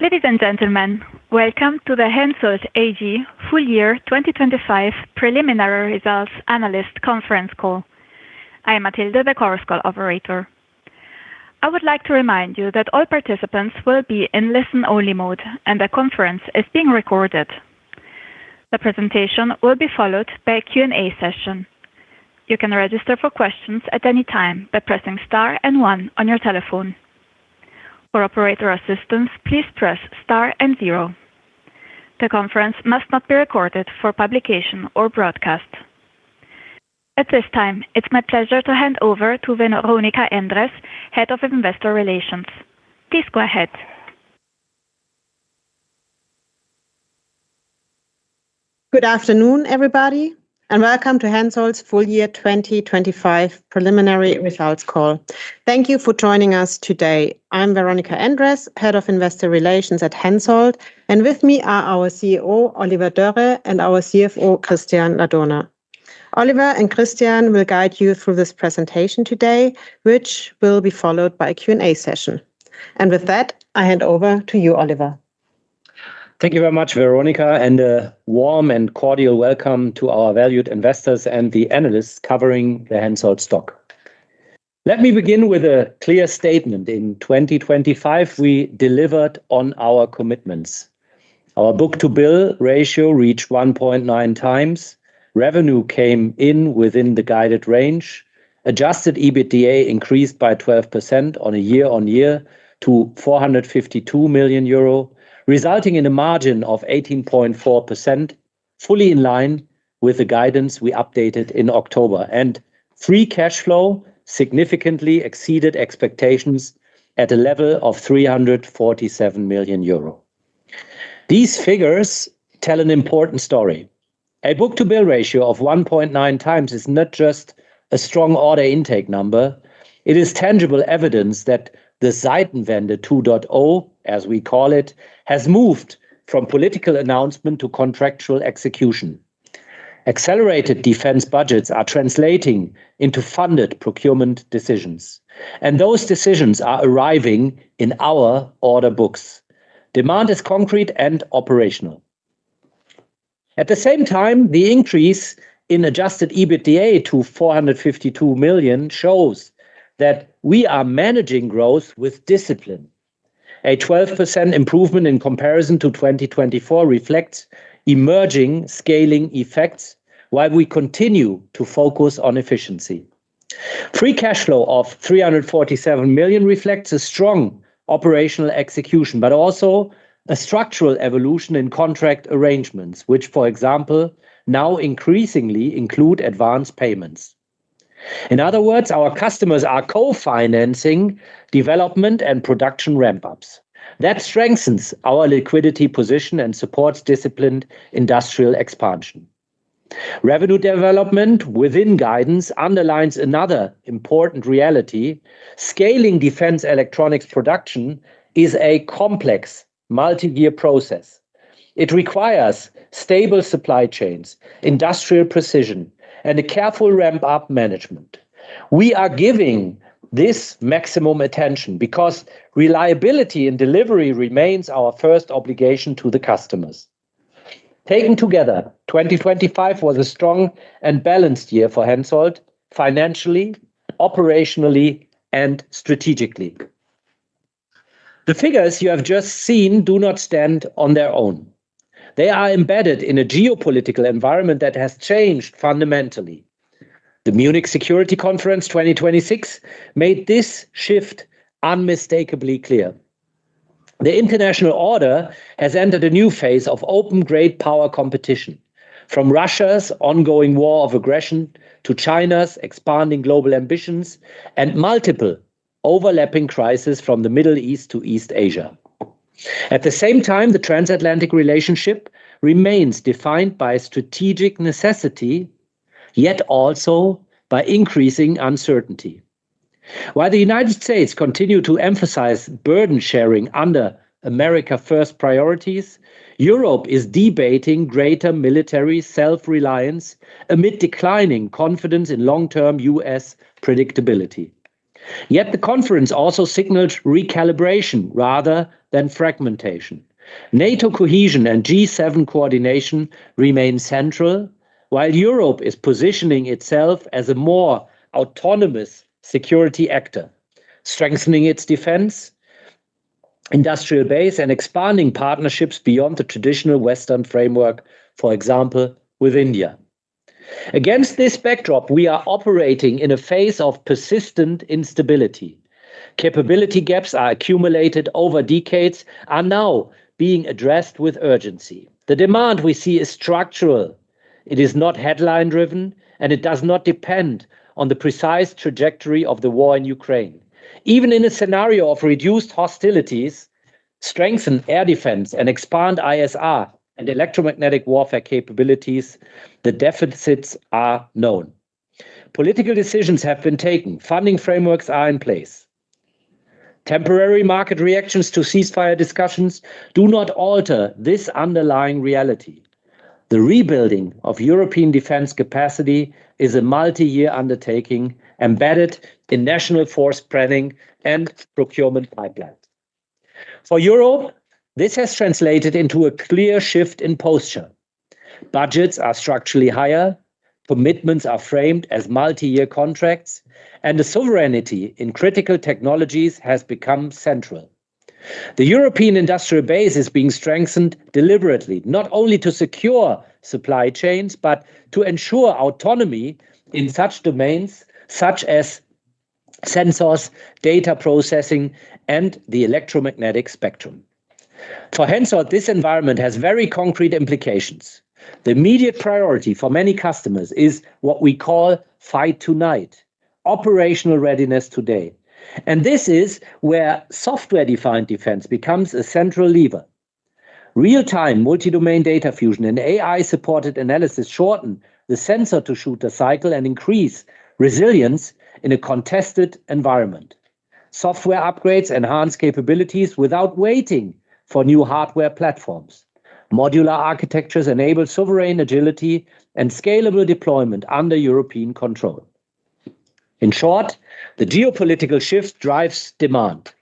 Ladies and gentlemen, welcome to the Hensoldt AG Full Year 2025 Preliminary Results Analyst Conference Call. I am Matilde, the conference call operator. I would like to remind you that all participants will be in listen-only mode, and the conference is being recorded. The presentation will be followed by a Q&A session. You can register for questions at any time by pressing star and one on your telephone. For operator assistance, please press star and zero. The conference must not be recorded for publication or broadcast. At this time, it's my pleasure to hand over to Veronika Endres, Head of Investor Relations. Please go ahead. Good afternoon, everybody, and welcome to Hensoldt's Full Year 2025 Preliminary Results Call. Thank you for joining us today. I'm Veronika Endres, Head of Investor Relations at Hensoldt, and with me are our CEO, Oliver Dörre, and our CFO, Christian Ladurner. Oliver and Christian will guide you through this presentation today, which will be followed by a Q&A session. With that, I hand over to you, Oliver. Thank you very much, Veronika, and a warm and cordial welcome to our valued investors and the analysts covering the Hensoldt stock. Let me begin with a clear statement. In 2025, we delivered on our commitments. Our book-to-bill ratio reached 1.9x. Revenue came in within the guided range. Adjusted EBITDA increased by 12% on a year-on-year to 452 million euro, resulting in a margin of 18.4%, fully in line with the guidance we updated in October. Free cash flow significantly exceeded expectations at a level of 347 million euro. These figures tell an important story. A book-to-bill ratio of 1.9x is not just a strong order intake number, it is tangible evidence that the Zeitenwende 2.0, as we call it, has moved from political announcement to contractual execution. Accelerated defense budgets are translating into funded procurement decisions, and those decisions are arriving in our order books. Demand is concrete and operational. At the same time, the increase in adjusted EBITDA to 452 million shows that we are managing growth with discipline. A 12% improvement in comparison to 2024 reflects emerging scaling effects, while we continue to focus on efficiency. Free cash flow of 347 million reflects a strong operational execution, but also a structural evolution in contract arrangements, which, for example, now increasingly include advanced payments. In other words, our customers are co-financing development and production ramp-ups. That strengthens our liquidity position and supports disciplined industrial expansion. Revenue development within guidance underlines another important reality: scaling defense electronics production is a complex multi-year process. It requires stable supply chains, industrial precision, and a careful ramp-up management. We are giving this maximum attention because reliability and delivery remains our first obligation to the customers. Taken together, 2025 was a strong and balanced year for Hensoldt, financially, operationally, and strategically. The figures you have just seen do not stand on their own. They are embedded in a geopolitical environment that has changed fundamentally. The Munich Security Conference 2026 made this shift unmistakably clear. The international order has entered a new phase of open great power competition, from Russia's ongoing war of aggression to China's expanding global ambitions and multiple overlapping crises from the Middle East to East Asia. The transatlantic relationship remains defined by strategic necessity, yet also by increasing uncertainty. While the United States continue to emphasize burden-sharing under America First priorities, Europe is debating greater military self-reliance amid declining confidence in long-term U.S. predictability. The conference also signaled recalibration rather than fragmentation. NATO cohesion and G7 coordination remain central, while Europe is positioning itself as a more autonomous security actor, strengthening its defense, industrial base, and expanding partnerships beyond the traditional Western framework, for example, with India. Against this backdrop, we are operating in a phase of persistent instability. Capability gaps are accumulated over decades are now being addressed with urgency. The demand we see is structural. It is not headline-driven, and it does not depend on the precise trajectory of the war in Ukraine. Even in a scenario of reduced hostilities, strengthened air defense, and expanded ISR and electromagnetic warfare capabilities, the deficits are known. Political decisions have been taken. Funding frameworks are in place. Temporary market reactions to ceasefire discussions do not alter this underlying reality. The rebuilding of European defense capacity is a multi-year undertaking embedded in national force planning and procurement pipelines. For Europe, this has translated into a clear shift in posture. Budgets are structurally higher, commitments are framed as multi-year contracts, and the sovereignty in critical technologies has become central. The European industrial base is being strengthened deliberately, not only to secure supply chains, but to ensure autonomy in such domains such as sensors, data processing, and the electromagnetic spectrum. For Hensoldt, this environment has very concrete implications. The immediate priority for many customers is what we call fight tonight, operational readiness today, and this is where Software-Defined Defence becomes a central lever. Real-time Multi-Domain data fusion and AI-supported analysis shorten the sensor-to-shooter cycle and increase resilience in a contested environment. Software upgrades enhance capabilities without waiting for new hardware platforms. Modular architectures enable sovereign agility and scalable deployment under European control. In short, the geopolitical shift drives demand.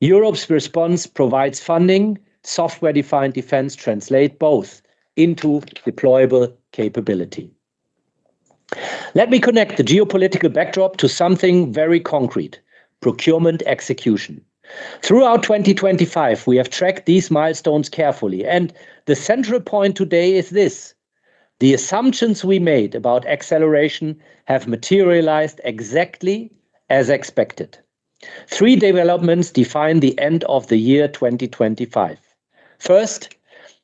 Europe's response provides funding. Software-Defined Defence translate both into deployable capability. Let me connect the geopolitical backdrop to something very concrete: procurement execution. Throughout 2025, we have tracked these milestones carefully, and the central point today is this: the assumptions we made about acceleration have materialized exactly as expected. Three developments define the end of the year 2025. First,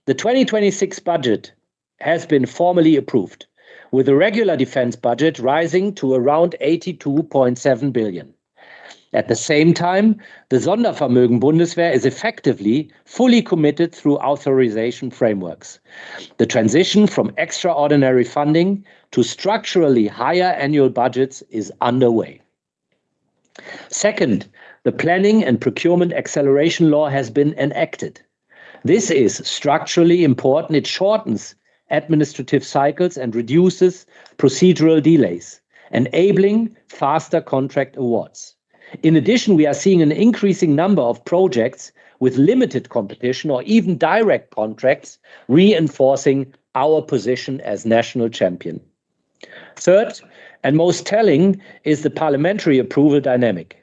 the 2026 budget has been formally approved, with the regular defense budget rising to around 82.7 billion. At the same time, the Sondervermögen Bundeswehr is effectively fully committed through authorization frameworks. The transition from extraordinary funding to structurally higher annual budgets is underway. Second, the Planning and Procurement Acceleration Act has been enacted. This is structurally important. It shortens administrative cycles and reduces procedural delays, enabling faster contract awards. Third, most telling, is the parliamentary approval dynamic.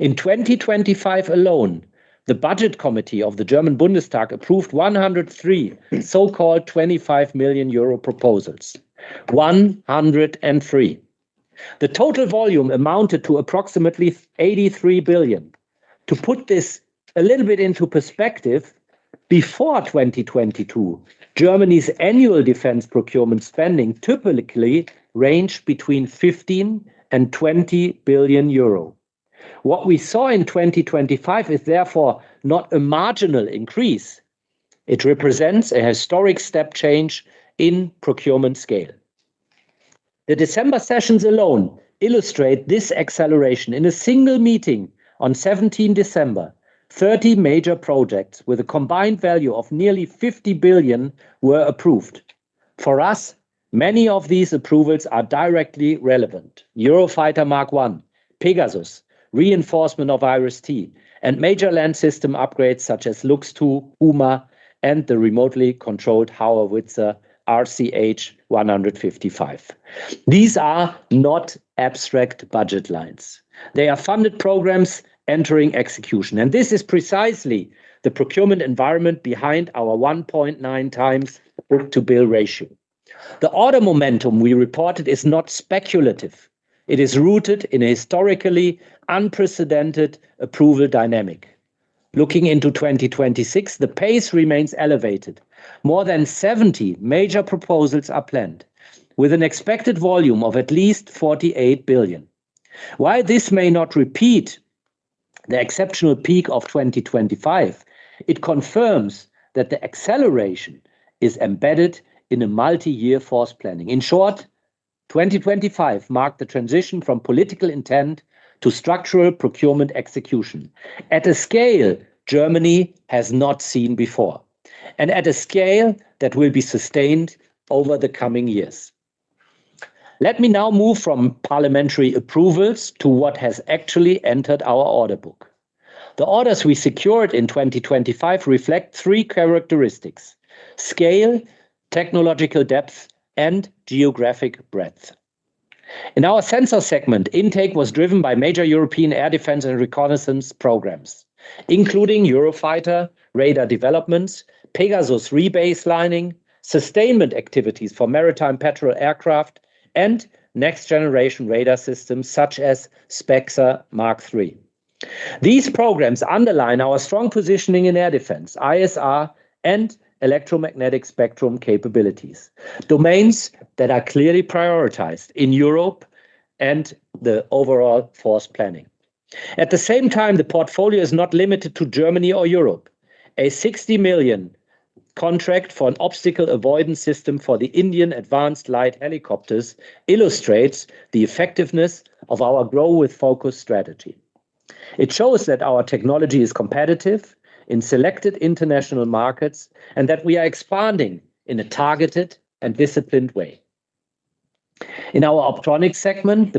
In 2025 alone, the Budget Committee of the German Bundestag approved 103 so-called 25 million euro proposals. 103. The total volume amounted to approximately 83 billion. To put this a little bit into perspective, before 2022, Germany's annual defense procurement spending typically ranged between 15 billion and 20 billion euro. What we saw in 2025 is therefore not a marginal increase; it represents a historic step change in procurement scale. The December sessions alone illustrate this acceleration. In a single meeting on 17 December, 30 major projects with a combined value of nearly 50 billion were approved. For us, many of these approvals are directly relevant. Eurofighter Mk 1, PEGASUS, reinforcement of IRIS-T, and major land system upgrades such as Luchs 2, PUMA, and the remotely controlled Howitzer RCH 155. These are not abstract budget lines. They are funded programs entering execution, and this is precisely the procurement environment behind our 1.9x book-to-bill ratio. The order momentum we reported is not speculative. It is rooted in a historically unprecedented approval dynamic. Looking into 2026, the pace remains elevated. More than 70 major proposals are planned, with an expected volume of at least 48 billion. While this may not repeat the exceptional peak of 2025, it confirms that the acceleration is embedded in a multi-year force planning. In short, 2025 marked the transition from political intent to structural procurement execution at a scale Germany has not seen before, and at a scale that will be sustained over the coming years. Let me now move from parliamentary approvals to what has actually entered our order book. The orders we secured in 2025 reflect three characteristics: scale, technological depth, and geographic breadth. In our sensor segment, intake was driven by major European air defense and reconnaissance programs, including Eurofighter radar developments, PEGASUS rebaselining, sustainment activities for maritime patrol aircraft, and next-generation radar systems such as SPEXER Mk III. These programs underline our strong positioning in air defense, ISR, and electromagnetic spectrum capabilities, domains that are clearly prioritized in Europe and the overall force planning. At the same time, the portfolio is not limited to Germany or Europe. A 60 million contract for an obstacle avoidance system for the Indian Advanced Light Helicopters illustrates the effectiveness of our grow with focus strategy.... It shows that our technology is competitive in selected international markets, and that we are expanding in a targeted and disciplined way. In our optronics segment,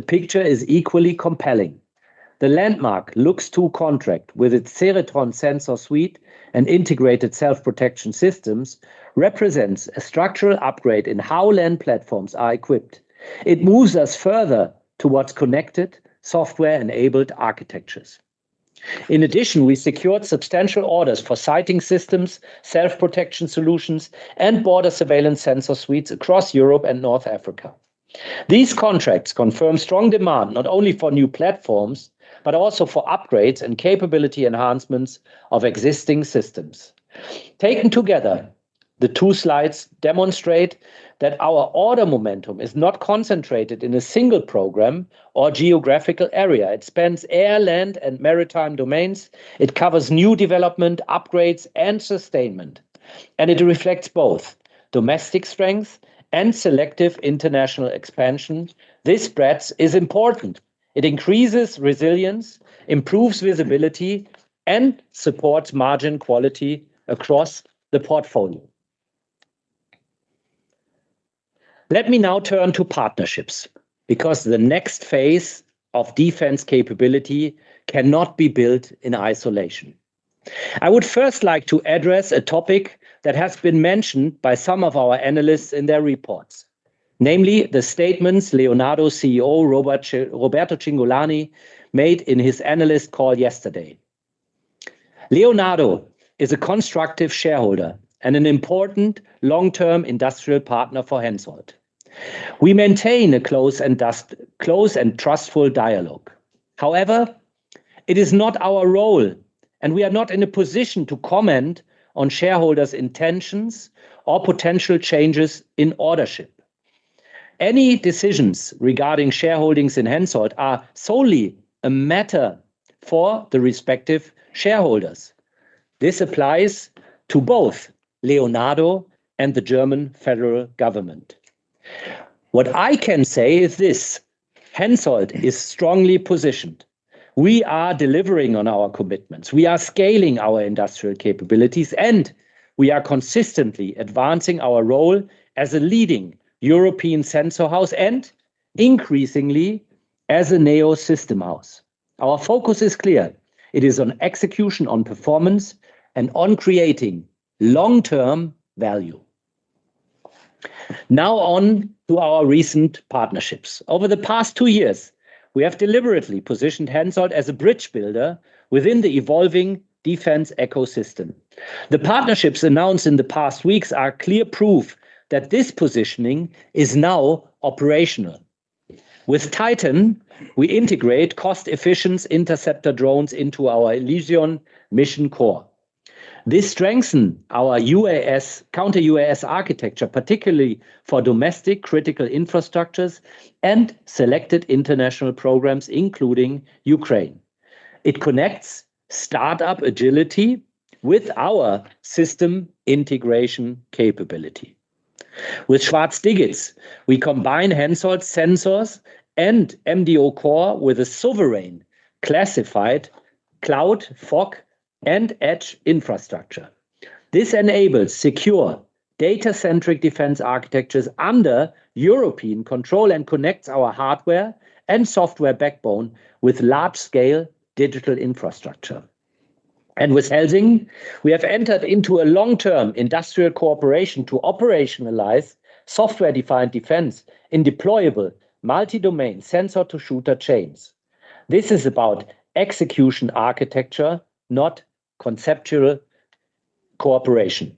the landmark Luchs 2 contract with its CERETRON sensor suite and integrated self-protection systems represents a structural upgrade in how land platforms are equipped. It moves us further towards connected software-enabled architectures. In addition, we secured substantial orders for sighting systems, self-protection solutions, and border surveillance sensor suites across Europe and North Africa. These contracts confirm strong demand, not only for new platforms, but also for upgrades and capability enhancements of existing systems. Taken together, the two slides demonstrate that our order momentum is not concentrated in a single program or geographical area. It spans air, land, and maritime domains. It covers new development, upgrades, and sustainment, and it reflects both domestic strength and selective international expansion. This breadth is important. It increases resilience, improves visibility, and supports margin quality across the portfolio. Let me now turn to partnerships. The next phase of defense capability cannot be built in isolation. I would first like to address a topic that has been mentioned by some of our analysts in their reports, namely the statements Leonardo CEO, Roberto Cingolani, made in his analyst call yesterday. Leonardo is a constructive shareholder and an important long-term industrial partner for Hensoldt. We maintain a close and trustful dialogue. It is not our role, and we are not in a position to comment on shareholders' intentions or potential changes in ownership. Any decisions regarding shareholdings in Hensoldt are solely a matter for the respective shareholders. This applies to both Leonardo and the German federal government. What I can say is this: HENSOLDT is strongly positioned. We are delivering on our commitments, we are scaling our industrial capabilities, and we are consistently advancing our role as a leading European sensor house and increasingly as a neo system house. Our focus is clear. It is on execution, on performance, and on creating long-term value. Now, on to our recent partnerships. Over the past two years, we have deliberately positioned Hensoldt as a bridge builder within the evolving defense ecosystem. The partnerships announced in the past weeks are clear proof that this positioning is now operational. With TYTAN, we integrate cost-efficient interceptor drones into our Elysion Mission Core. This strengthen our UAS, counter-UAS architecture, particularly for domestic critical infrastructures and selected international programs, including Ukraine. It connects start-up agility with our system integration capability. With Schwarz Digits, we combine Hensoldt sensors and MDO Core with a sovereign classified cloud, fog, and edge infrastructure. This enables secure, data-centric defense architectures under European control and connects our hardware and software backbone with large-scale digital infrastructure. With Helsing, we have entered into a long-term industrial cooperation to operationalize software-defined defense in deployable multi-domain sensor-to-shooter chains. This is about execution architecture, not conceptual cooperation.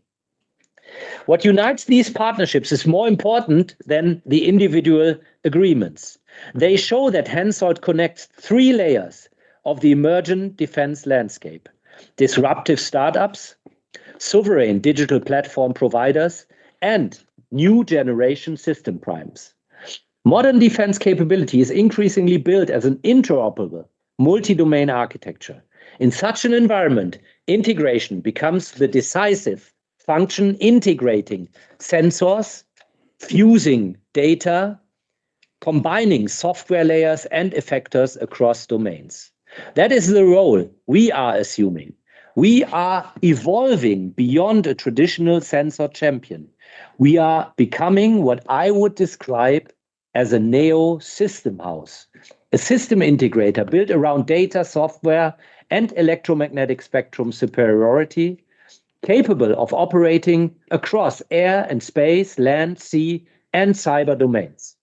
What unites these partnerships is more important than the individual agreements. They show that HENSOLDT connects three layers of the emergent defense landscape: disruptive start-ups, sovereign digital platform providers, and new generation system primes. Modern defense capability is increasingly built as an interoperable multi-domain architecture. In such an environment, integration becomes the decisive function, integrating sensors, fusing data, combining software layers and effectors across domains. That is the role we are assuming. We are evolving beyond a traditional sensor champion. We are becoming what I would describe as a neo system house, a system integrator built around data software and electromagnetic spectrum superiority, capable of operating across air and space, land, sea, and cyber domains.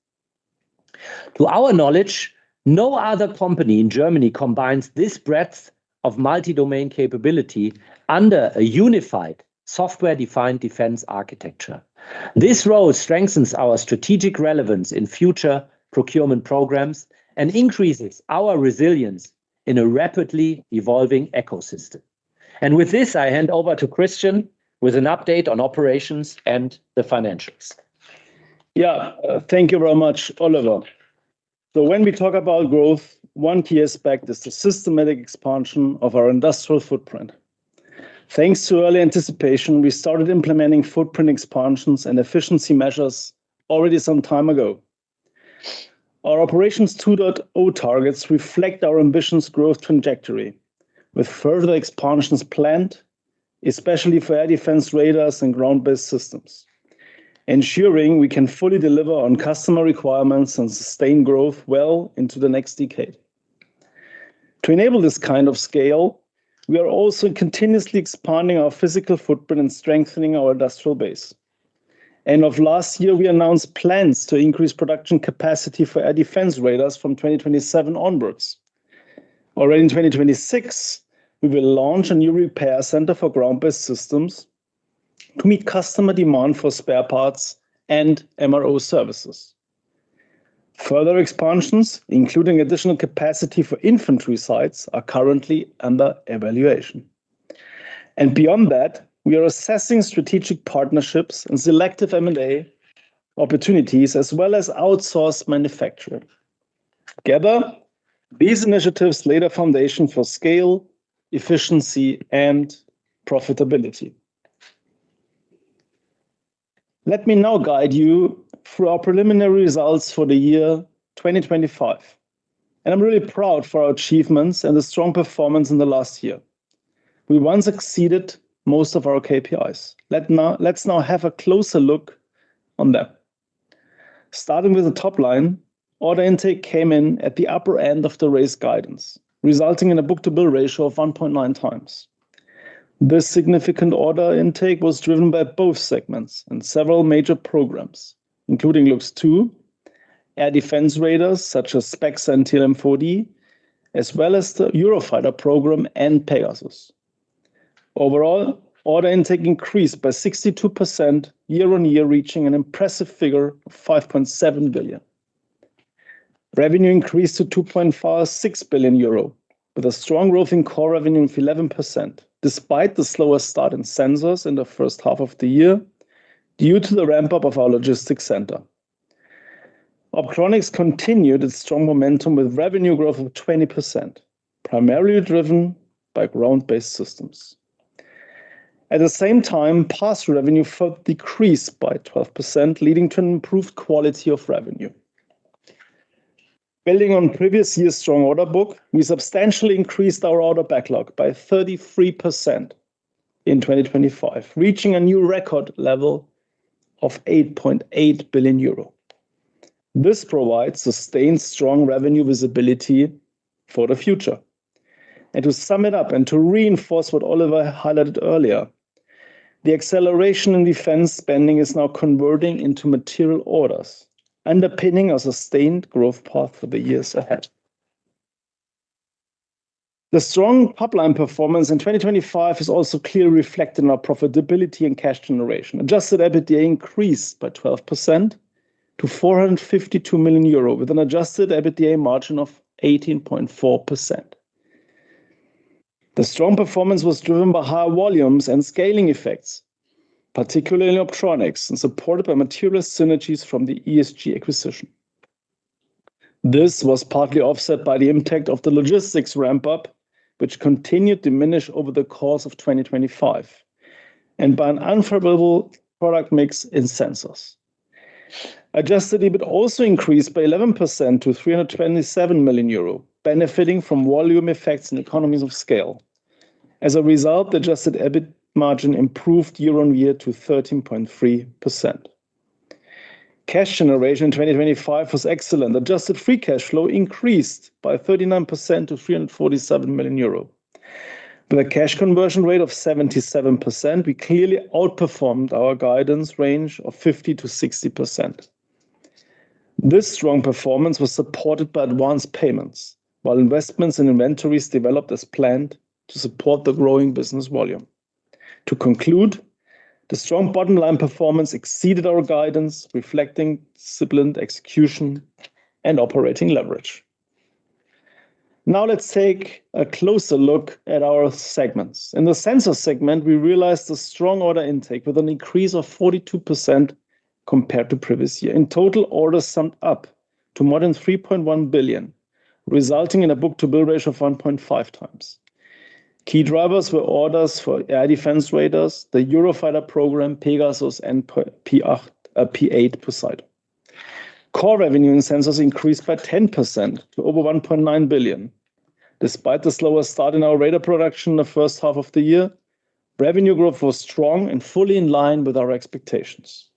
To our knowledge, no other company in Germany combines this breadth of multi-domain capability under a unified Software-Defined Defence architecture. This role strengthens our strategic relevance in future procurement programs and increases our resilience in a rapidly evolving ecosystem. With this, I hand over to Christian with an update on operations and the financials. Thank you very much, Oliver. When we talk about growth, one key aspect is the systematic expansion of our industrial footprint. Thanks to early anticipation, we started implementing footprint expansions and efficiency measures already some time ago. Our Operations 2.0 targets reflect our ambitions growth trajectory, with further expansions planned, especially for air defense radars and ground-based systems, ensuring we can fully deliver on customer requirements and sustain growth well into the next decade. To enable this kind of scale, we are also continuously expanding our physical footprint and strengthening our industrial base. End of last year, we announced plans to increase production capacity for air defense radars from 2027 onwards. Already in 2026, we will launch a new repair center for ground-based systems to meet customer demand for spare parts and MRO services. Further expansions, including additional capacity for infantry sites, are currently under evaluation. Beyond that, we are assessing strategic partnerships and selective M&A opportunities, as well as outsourced manufacturing. Together, these initiatives lay the foundation for scale, efficiency, and profitability. Let me now guide you through our preliminary results for the year 2025, and I'm really proud for our achievements and the strong performance in the last year. We once exceeded most of our KPIs. Let's now have a closer look on them. Starting with the top line, order intake came in at the upper end of the raised guidance, resulting in a book-to-bill ratio of 1.9x. This significant order intake was driven by both segments and several major programs, including Luchs 2, air defense radars, such as SPEXER and TRML-4D, as well as the Eurofighter program and PEGASUS. Overall, order intake increased by 62% year-over-year, reaching an impressive figure of 5.7 billion. Revenue increased to 2.46 billion euro, with a strong growth in core revenue of 11%, despite the slower start in sensors in the first half of the year, due to the ramp-up of our logistics center. Optronics continued its strong momentum with revenue growth of 20%, primarily driven by ground-based systems. At the same time, pass-through revenue further decreased by 12%, leading to an improved quality of revenue. Building on previous year's strong order book, we substantially increased our order backlog by 33% in 2025, reaching a new record level of 8.8 billion euro. This provides sustained strong revenue visibility for the future. To sum it up and to reinforce what Oliver highlighted earlier, the acceleration in defense spending is now converting into material orders, underpinning a sustained growth path for the years ahead. The strong top-line performance in 2025 is also clearly reflected in our profitability and cash generation. Adjusted EBITDA increased by 12% to 452 million euro, with an adjusted EBITDA margin of 18.4%. The strong performance was driven by higher volumes and scaling effects, particularly in optronics, and supported by material synergies from the ESG acquisition. This was partly offset by the impact of the logistics ramp-up, which continued to diminish over the course of 2025, and by an unfavorable product mix in sensors. Adjusted EBIT also increased by 11%-EUR 327 million, benefiting from volume effects and economies of scale. The adjusted EBIT margin improved year-on-year to 13.3%. Cash generation in 2025 was excellent. Adjusted free cash flow increased by 39%- 347 million euro. With a cash conversion rate of 77%, we clearly outperformed our guidance range of 50%-60%. This strong performance was supported by advanced payments, while investments in inventories developed as planned to support the growing business volume. The strong bottom line performance exceeded our guidance, reflecting disciplined execution and operating leverage. Let's take a closer look at our segments. In the sensor segment, we realized a strong order intake with an increase of 42% compared to previous year. Orders summed up to more than 3.1 billion, resulting in a book-to-bill ratio of 1.5x. Key drivers were orders for air defense radars, the Eurofighter program, PEGASUS, and P-8 Poseidon. Core revenue in sensors increased by 10% to over 1.9 billion. Despite the slower start in our radar production in the first half of the year, revenue growth was strong and fully in line with our expectations.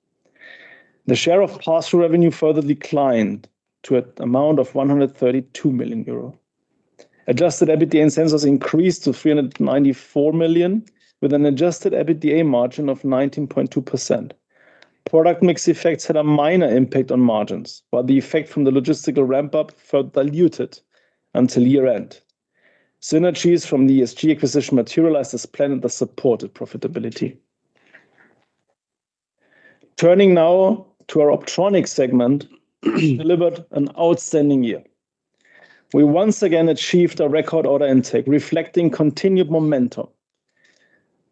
The share of pass-through revenue further declined to an amount of 132 million euro. Adjusted EBITDA in sensors increased to 394 million, with an adjusted EBITDA margin of 19.2%. Product mix effects had a minor impact on margins, while the effect from the logistical ramp-up further diluted until year-end. Synergies from the ESG acquisition materialized as planned and that supported profitability. Turning now to our optronics segment, delivered an outstanding year. We once again achieved a record order intake, reflecting continued momentum,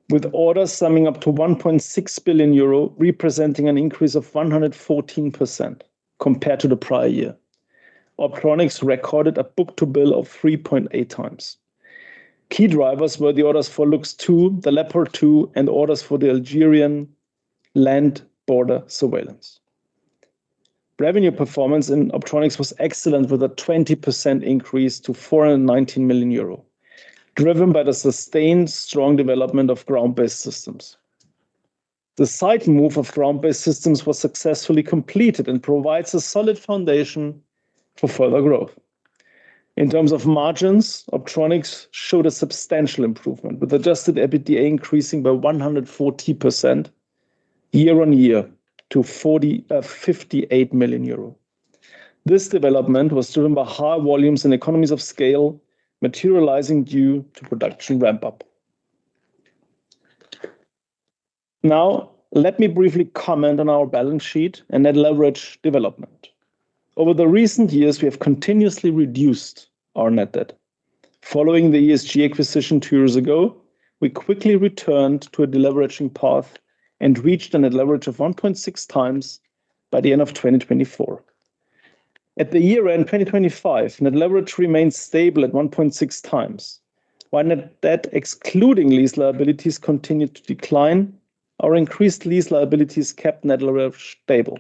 with orders summing up to 1.6 billion euro, representing an increase of 114% compared to the prior year. Optronics recorded a book-to-bill of 3.8x. Key drivers were the orders for Luchs 2, the Leopard 2, and orders for the Algerian land border surveillance. Revenue performance in Optronics was excellent, with a 20% increase to 419 million euro, driven by the sustained strong development of ground-based systems. The site move of ground-based systems was successfully completed and provides a solid foundation for further growth. In terms of margins, Optronics showed a substantial improvement, with adjusted EBITDA increasing by 140% year-on-year to 58 million euro. This development was driven by high volumes and economies of scale materializing due to production ramp-up. Now, let me briefly comment on our balance sheet and net leverage development. Over the recent years, we have continuously reduced our net debt. Following the ESG acquisition two years ago, we quickly returned to a deleveraging path and reached a net leverage of 1.6x by the end of 2024. At the year-end, 2025, net leverage remains stable at 1.6x. While net debt, excluding lease liabilities, continued to decline, our increased lease liabilities kept net leverage stable.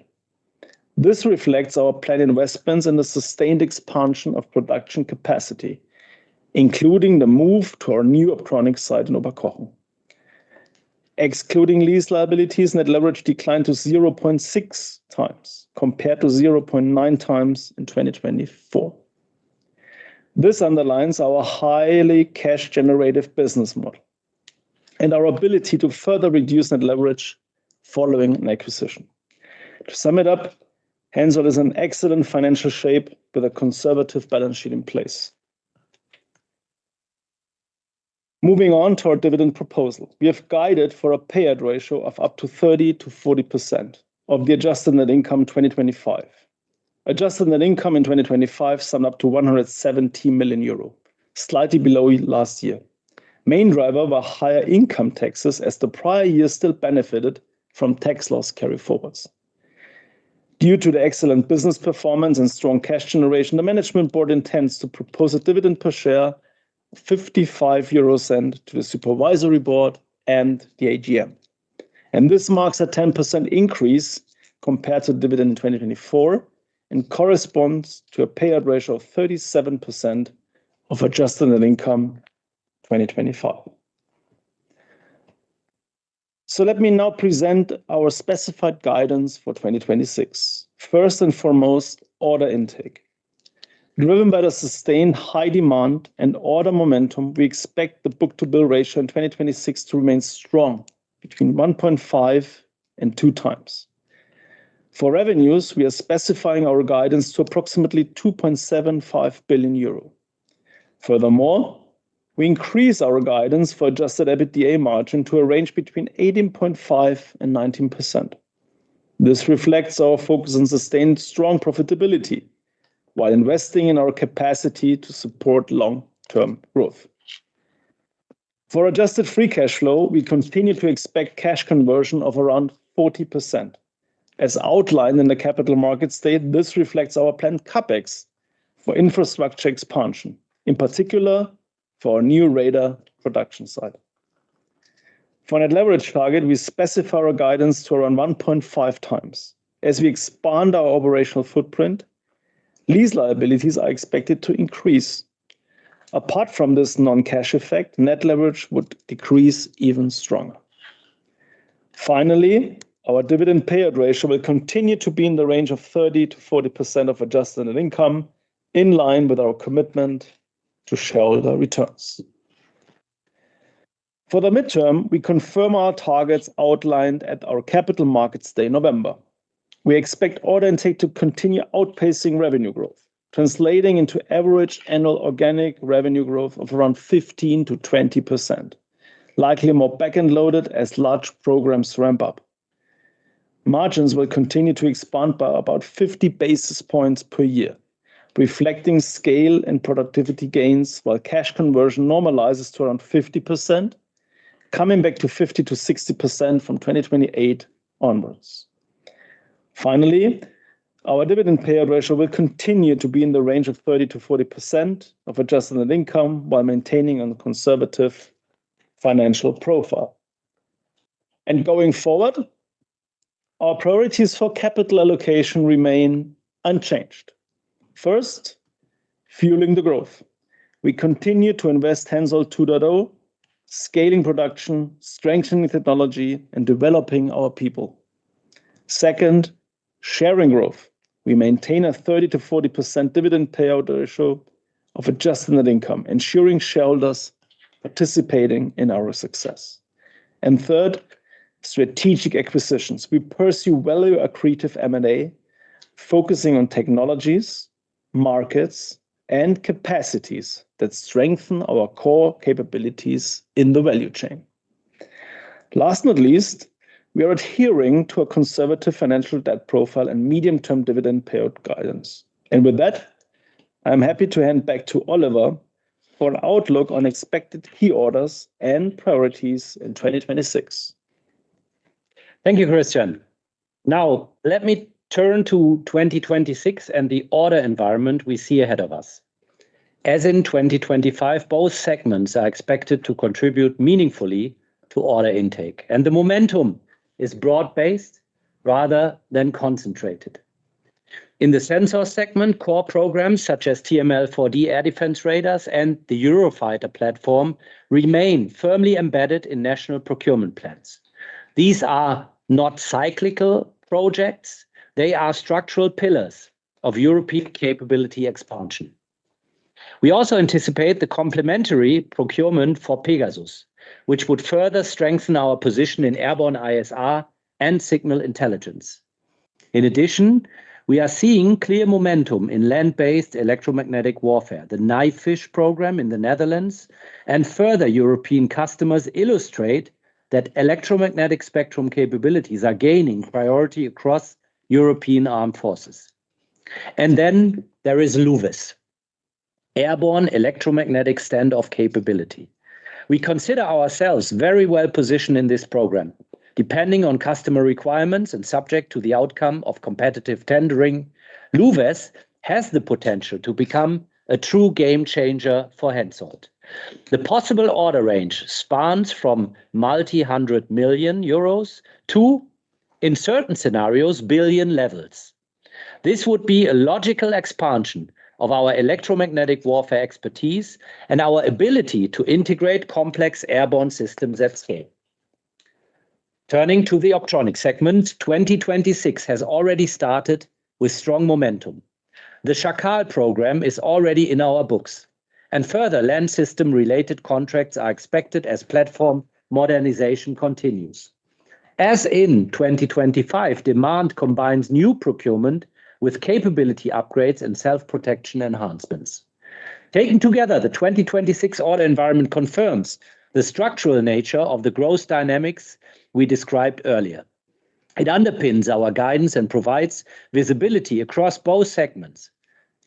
This reflects our planned investments and the sustained expansion of production capacity, including the move to our new Optronics site in Oberkochen. Excluding lease liabilities, net leverage declined to 0.6x, compared to 0.9x in 2024. This underlines our highly cash-generative business model and our ability to further reduce net leverage following an acquisition. To sum it up, Hensoldt is in excellent financial shape with a conservative balance sheet in place. Moving on to our dividend proposal. We have guided for a payout ratio of up to 30%-40% of the adjusted net income 2025. Adjusted net income in 2025 summed up to 170 million euro, slightly below last year. Main driver were higher income taxes, as the prior year still benefited from tax loss carryforwards. Due to the excellent business performance and strong cash generation, the management board intends to propose a dividend per share, 0.55 to the supervisory board and the AGM. This marks a 10% increase compared to dividend in 2024 and corresponds to a payout ratio of 37% of adjusted net income 2025. Let me now present our specified guidance for 2026. First and foremost, order intake. Driven by the sustained high demand and order momentum, we expect the book-to-bill ratio in 2026 to remain strong, between 1.5x and 2x. For revenues, we are specifying our guidance to approximately 2.75 billion euro. We increase our guidance for adjusted EBITDA margin to a range between 18.5% and 19%. This reflects our focus on sustained strong profitability while investing in our capacity to support long-term growth. For adjusted free cash flow, we continue to expect cash conversion of around 40%. As outlined in the Capital Markets Day, this reflects our planned CapEx for infrastructure expansion, in particular for our new radar production site. For net leverage target, we specify our guidance to around 1.5x. As we expand our operational footprint, lease liabilities are expected to increase. Apart from this non-cash effect, net leverage would decrease even stronger. Finally, our dividend payout ratio will continue to be in the range of 30%-40% of adjusted net income, in line with our commitment to shareholder returns. For the midterm, we confirm our targets outlined at our Capital Markets Day in November. We expect order intake to continue outpacing revenue growth, translating into average annual organic revenue growth of around 15%-20%, likely more back-end loaded as large programs ramp up. Margins will continue to expand by about 50 basis points per year, reflecting scale and productivity gains, while cash conversion normalizes to around 50%, coming back to 50%-60% from 2028 onwards. Finally, our dividend payout ratio will continue to be in the range of 30%-40% of adjusted net income while maintaining on the conservative financial profile. Going forward, our priorities for capital allocation remain unchanged. First, fueling the growth. We continue to invest Hensoldt 2.0, scaling production, strengthening technology, and developing our people. Second, sharing growth. We maintain a 30%-40% dividend payout ratio of adjusted net income, ensuring shareholders participating in our success. Third, strategic acquisitions. We pursue value-accretive M&A, focusing on technologies, markets, and capacities that strengthen our core capabilities in the value chain. Last not least, we are adhering to a conservative financial debt profile and medium-term dividend payout guidance. With that, I'm happy to hand back to Oliver for an outlook on expected key orders and priorities in 2026. Thank you, Christian. Let me turn to 2026 and the order environment we see ahead of us. As in 2025, both segments are expected to contribute meaningfully to order intake, the momentum is broad-based rather than concentrated. In the sensor segment, core programs such as TRML-4D air defense radars and the Eurofighter platform remain firmly embedded in national procurement plans. These are not cyclical projects. They are structural pillars of European capability expansion. We also anticipate the complementary procurement for PEGASUS, which would further strengthen our position in airborne ISR and signal intelligence. We are seeing clear momentum in land-based electromagnetic warfare, the Knyffis program in the Netherlands, and further European customers illustrate that electromagnetic spectrum capabilities are gaining priority across European armed forces. There is LuWES, airborne electromagnetic standoff capability. We consider ourselves very well-positioned in this program, depending on customer requirements and subject to the outcome of competitive tendering. LuWES has the potential to become a true game-changer for Hensoldt. The possible order range spans from multi-hundred million EUR to, in certain scenarios, billion EUR levels. This would be a logical expansion of our electromagnetic warfare expertise and our ability to integrate complex airborne systems at scale. Turning to the Optronics segment, 2026 has already started with strong momentum. The Charal program is already in our books, and further land system-related contracts are expected as platform modernization continues. As in 2025, demand combines new procurement with capability upgrades and self-protection enhancements. Taken together, the 2026 order environment confirms the structural nature of the growth dynamics we described earlier. It underpins our guidance and provides visibility across both segments.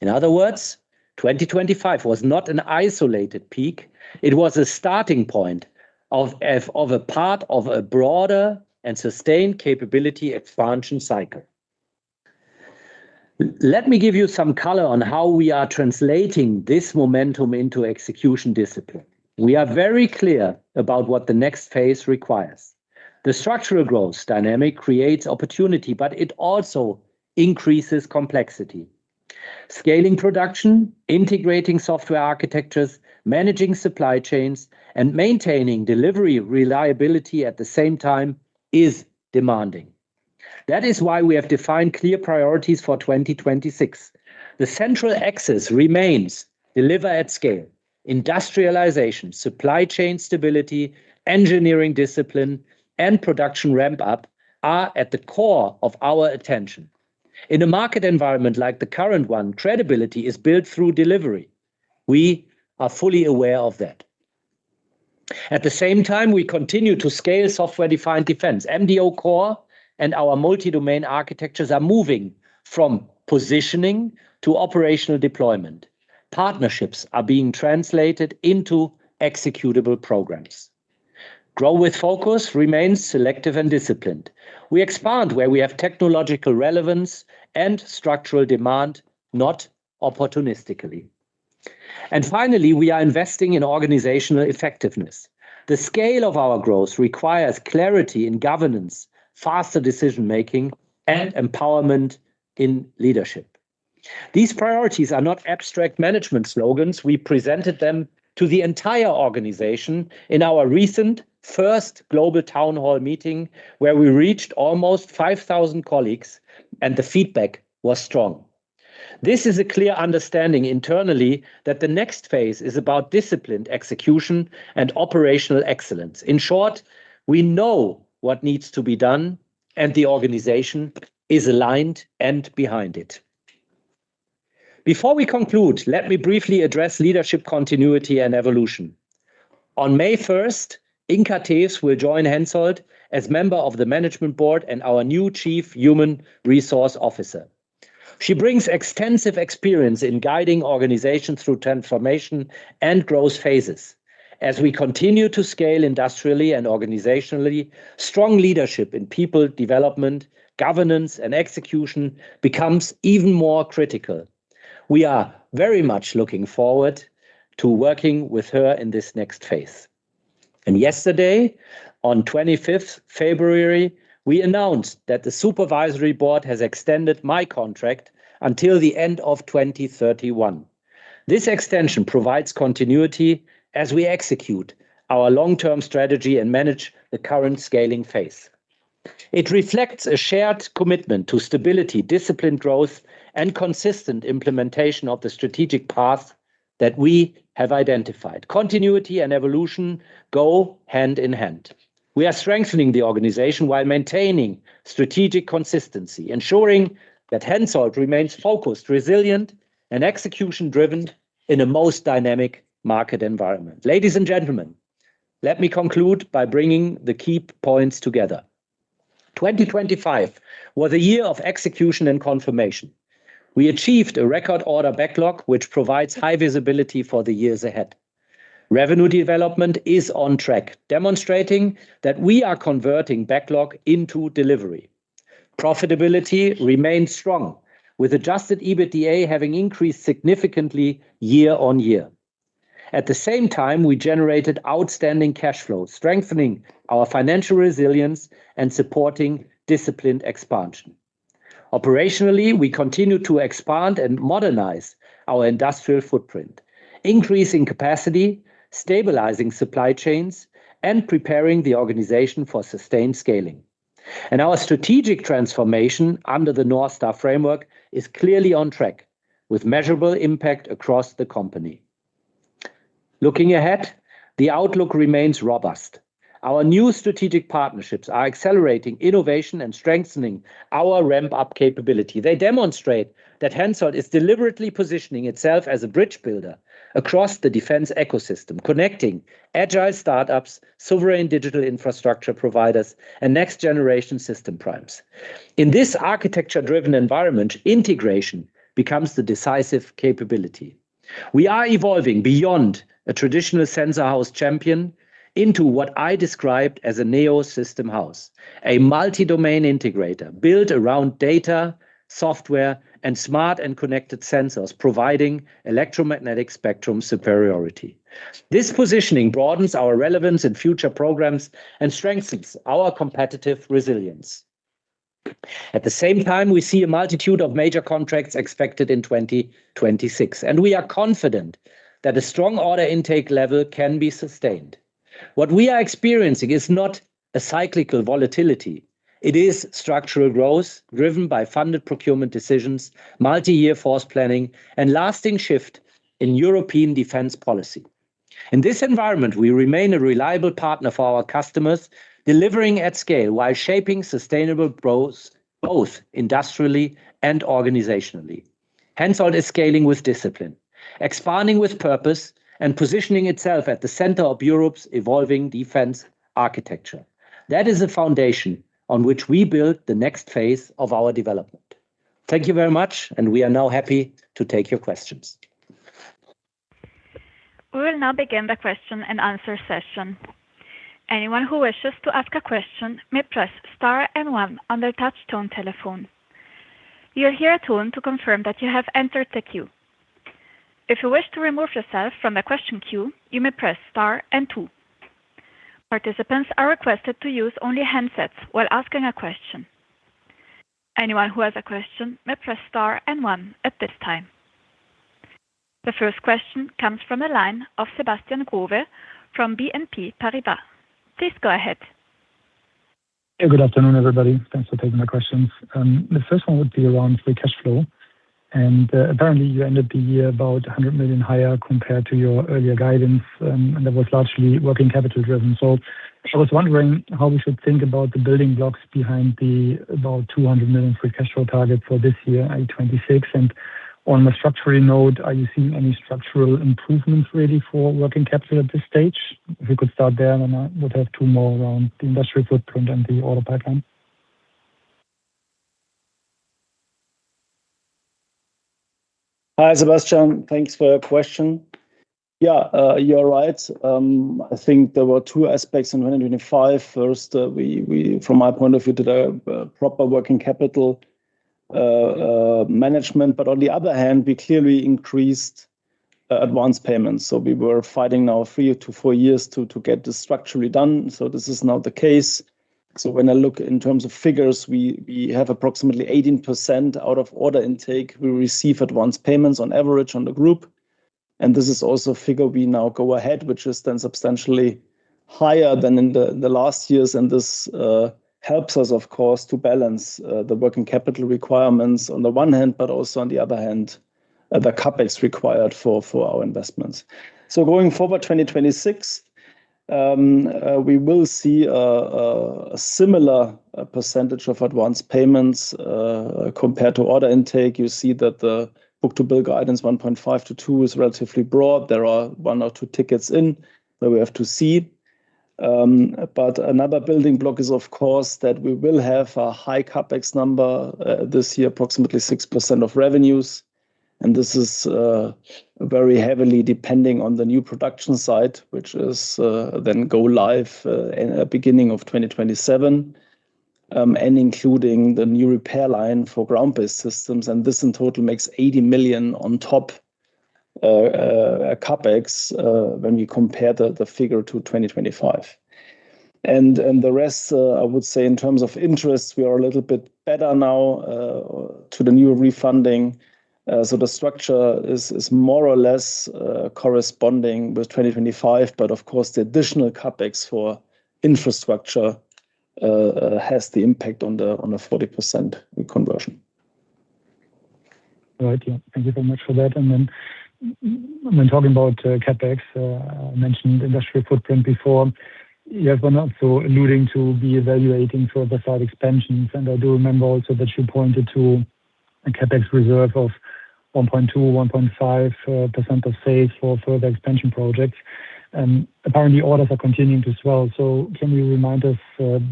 In other words, 2025 was not an isolated peak, it was a starting point of a part of a broader and sustained capability expansion cycle. Let me give you some color on how we are translating this momentum into execution discipline. We are very clear about what the next phase requires. The structural growth dynamic creates opportunity, it also increases complexity. Scaling production, integrating software architectures, managing supply chains, and maintaining delivery reliability at the same time is demanding. We have defined clear priorities for 2026. The central axis remains deliver at scale, industrialization, supply chain stability, engineering discipline, and production ramp-up are at the core of our attention. In a market environment like the current one, credibility is built through delivery. We are fully aware of that. At the same time, we continue to scale Software-Defined Defence. MDOcore and our multi-domain architectures are moving from positioning to operational deployment. Partnerships are being translated into executable programs. Grow with focus remains selective and disciplined. We expand where we have technological relevance and structural demand, not opportunistically. Finally, we are investing in organizational effectiveness. The scale of our growth requires clarity in governance, faster decision-making, and empowerment in leadership. These priorities are not abstract management slogans. We presented them to the entire organization in our recent first global town hall meeting, where we reached almost 5,000 colleagues, and the feedback was strong. This is a clear understanding internally that the next phase is about disciplined execution and operational excellence. In short, we know what needs to be done, and the organization is aligned and behind it. Before we conclude, let me briefly address leadership continuity and evolution. On May 1st, Inka Tews will join Hensoldt as member of the management board and our new Chief Human Resources Officer. She brings extensive experience in guiding organizations through transformation and growth phases. As we continue to scale industrially and organizationally, strong leadership in people development, governance, and execution becomes even more critical. We are very much looking forward to working with her in this next phase. Yesterday, on 25th February, we announced that the supervisory board has extended my contract until the end of 2031. This extension provides continuity as we execute our long-term strategy and manage the current scaling phase. It reflects a shared commitment to stability, disciplined growth, and consistent implementation of the strategic path that we have identified. Continuity and evolution go hand in hand. We are strengthening the organization while maintaining strategic consistency, ensuring that HENSOLDT remains focused, resilient, and execution-driven in a most dynamic market environment. Ladies and gentlemen, let me conclude by bringing the key points together. 2025 was a year of execution and confirmation. We achieved a record order backlog, which provides high visibility for the years ahead. Revenue development is on track, demonstrating that we are converting backlog into delivery. Profitability remains strong, with adjusted EBITDA having increased significantly year-on-year. We generated outstanding cash flow, strengthening our financial resilience and supporting disciplined expansion. Operationally, we continue to expand and modernize our industrial footprint, increasing capacity, stabilizing supply chains, and preparing the organization for sustained scaling. Our strategic transformation under the North Star framework is clearly on track, with measurable impact across the company. Looking ahead, the outlook remains robust. Our new strategic partnerships are accelerating innovation and strengthening our ramp-up capability. They demonstrate that Hensoldt is deliberately positioning itself as a bridge builder across the defense ecosystem, connecting agile startups, sovereign digital infrastructure providers, and next-generation system primes. In this architecture-driven environment, integration becomes the decisive capability. We are evolving beyond a traditional sensor house champion into what I described as a neo system house, a multi-domain integrator built around data, software, and smart and connected sensors, providing electromagnetic spectrum superiority. This positioning broadens our relevance in future programs and strengthens our competitive resilience. At the same time, we see a multitude of major contracts expected in 2026. We are confident that a strong order intake level can be sustained. What we are experiencing is not a cyclical volatility, it is structural growth driven by funded procurement decisions, multi-year force planning, and lasting shift in European defense policy. In this environment, we remain a reliable partner for our customers, delivering at scale while shaping sustainable growth, both industrially and organizationally. HENSOLDT is scaling with discipline, expanding with purpose, and positioning itself at the center of Europe's evolving defense architecture. That is the foundation on which we build the next phase of our development. Thank you very much, and we are now happy to take your questions. We will now begin the question and answer session. Anyone who wishes to ask a question may press star and one on their touchtone telephone. You'll hear a tone to confirm that you have entered the queue. If you wish to remove yourself from the question queue, you may press star and two. Participants are requested to use only handsets while asking a question. Anyone who has a question may press star and one at this time. The first question comes from the line of Sebastian Growe from BNP Paribas. Please go ahead. Hey, good afternoon, everybody. Thanks for taking my questions. The first one would be around free cash flow. Apparently, you ended the year about 100 million higher compared to your earlier guidance, and that was largely working capital driven. I was wondering how we should think about the building blocks behind the about 200 million free cash flow target for this year, 2026. On the structural note, are you seeing any structural improvements really for working capital at this stage? If you could start there, then I would have two more around the industrial footprint and the order pipeline. Hi, Sebastian. Thanks for your question. Yeah, you're right. I think there were two aspects in 2025. First, we from my point of view, did a proper working capital management, but on the other hand, we clearly increased advance payments. We were fighting now three to four years to get this structurally done. This is not the case. When I look in terms of figures, we have approximately 18% out of order intake. We receive advance payments on average on the group, and this is also a figure we now go ahead, which is then substantially higher than in the last years. And this helps us, of course, to balance the working capital requirements on the one hand, but also on the other hand, the CapEx required for our investments. Going forward, 2026, we will see a similar percentage of advance payments compared to order intake. You see that the book-to-bill guidance, 1.5x-2x, is relatively broad. There are one or two tickets in that we have to see. But another building block is, of course, that we will have a high CapEx number this year, approximately 6% of revenues. And this is very heavily depending on the new production site, which is then go live in the beginning of 2027, and including the new repair line for ground-based systems, and this in total makes 80 million on top CapEx when you compare the figure to 2025. The rest, I would say in terms of interest, we are a little bit better now, to the new refunding. The structure is more or less, corresponding with 2025. Of course, the additional CapEx for infrastructure has the impact on the 40% conversion. Right. Yeah. Thank you very much for that. When talking about CapEx, I mentioned industrial footprint before. You have been also alluding to reevaluating further site expansions, and I do remember also that you pointed to a CapEx reserve of 1.2% or 1.5% of sales for further expansion projects. Apparently orders are continuing to swell. Can you remind us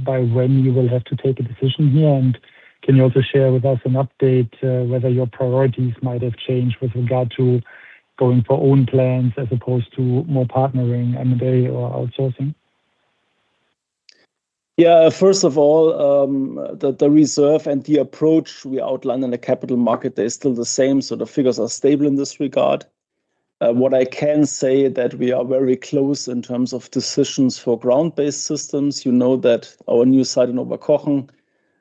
by when you will have to take a decision here? Can you also share with us an update whether your priorities might have changed with regard to going for own plans as opposed to more partnering and they are outsourcing? First of all, the reserve and the approach we outlined in the capital market is still the same, so the figures are stable in this regard. What I can say that we are very close in terms of decisions for ground-based systems. You know that our new site in Oberkochen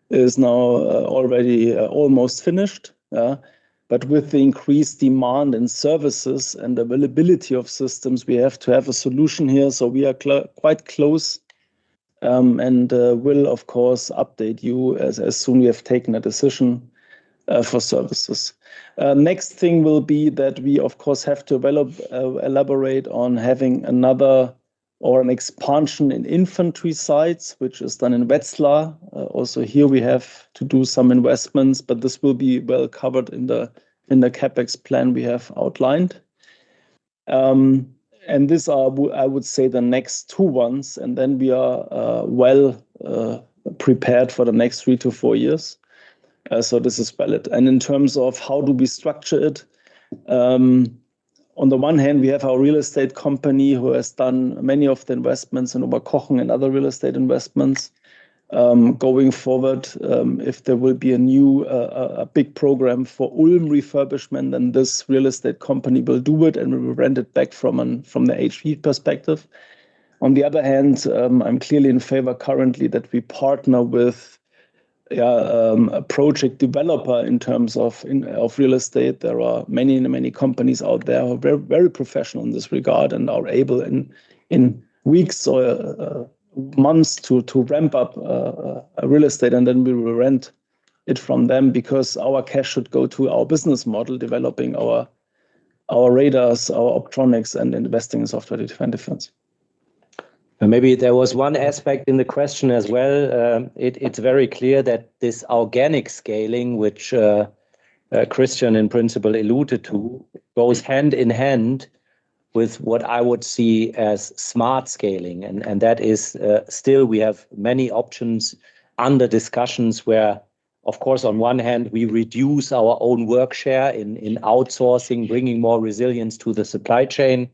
is now already almost finished. But with the increased demand and services and availability of systems, we have to have a solution here, so we are quite close, and we'll of course, update you as soon we have taken a decision for services. Next thing will be that we, of course, have to elaborate on having another or an expansion in infantry sites, which is done in Wetzlar. Also here we have to do some investments, but this will be well covered in the CapEx plan we have outlined. These are, I would say, the next two ones, and then we are well prepared for the next three to four years. This is valid. In terms of how do we structure it, on the one hand, we have our real estate company who has done many of the investments in Oberkochen and other real estate investments. Going forward, if there will be a new, a big program for Ulm refurbishment, then this real estate company will do it, and we will rent it back from the HV perspective. On the other hand, I'm clearly in favor currently that we partner with a project developer in terms of of real estate. There are many, many companies out there who are very professional in this regard and are able in weeks or months to ramp up a real estate, and then we will rent it from them. Our cash should go to our business model, developing our radars, our optronics, and investing in Software-Defined Defence. Maybe there was one aspect in the question as well. It's very clear that this organic scaling, which Christian in principle alluded to, goes hand in hand with what I would see as smart scaling. That is still we have many options under discussions where, of course, on one hand, we reduce our own work share in outsourcing, bringing more resilience to the supply chain,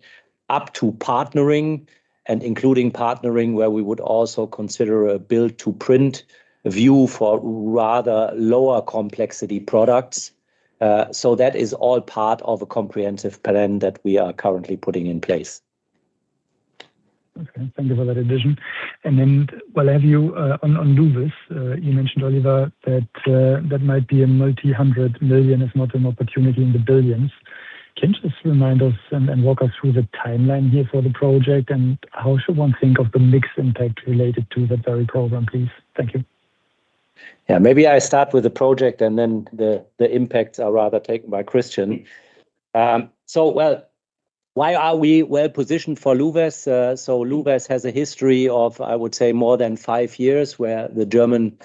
up to partnering and including partnering, where we would also consider a build-to-print view for rather lower complexity products. That is all part of a comprehensive plan that we are currently putting in place. Okay. Thank you for that addition. While I have you, on LuWES, you mentioned, Oliver, that might be a multi-hundred million, if not an opportunity in the billions. Can you just remind us and walk us through the timeline here for the project, and how should one think of the mix impact related to that very program, please? Thank you. Yeah. Maybe I start with the project and then the impacts are rather taken by Christian. So well, why are we well positioned for LuWES? LuWES has a history of, I would say, more than five years, where the German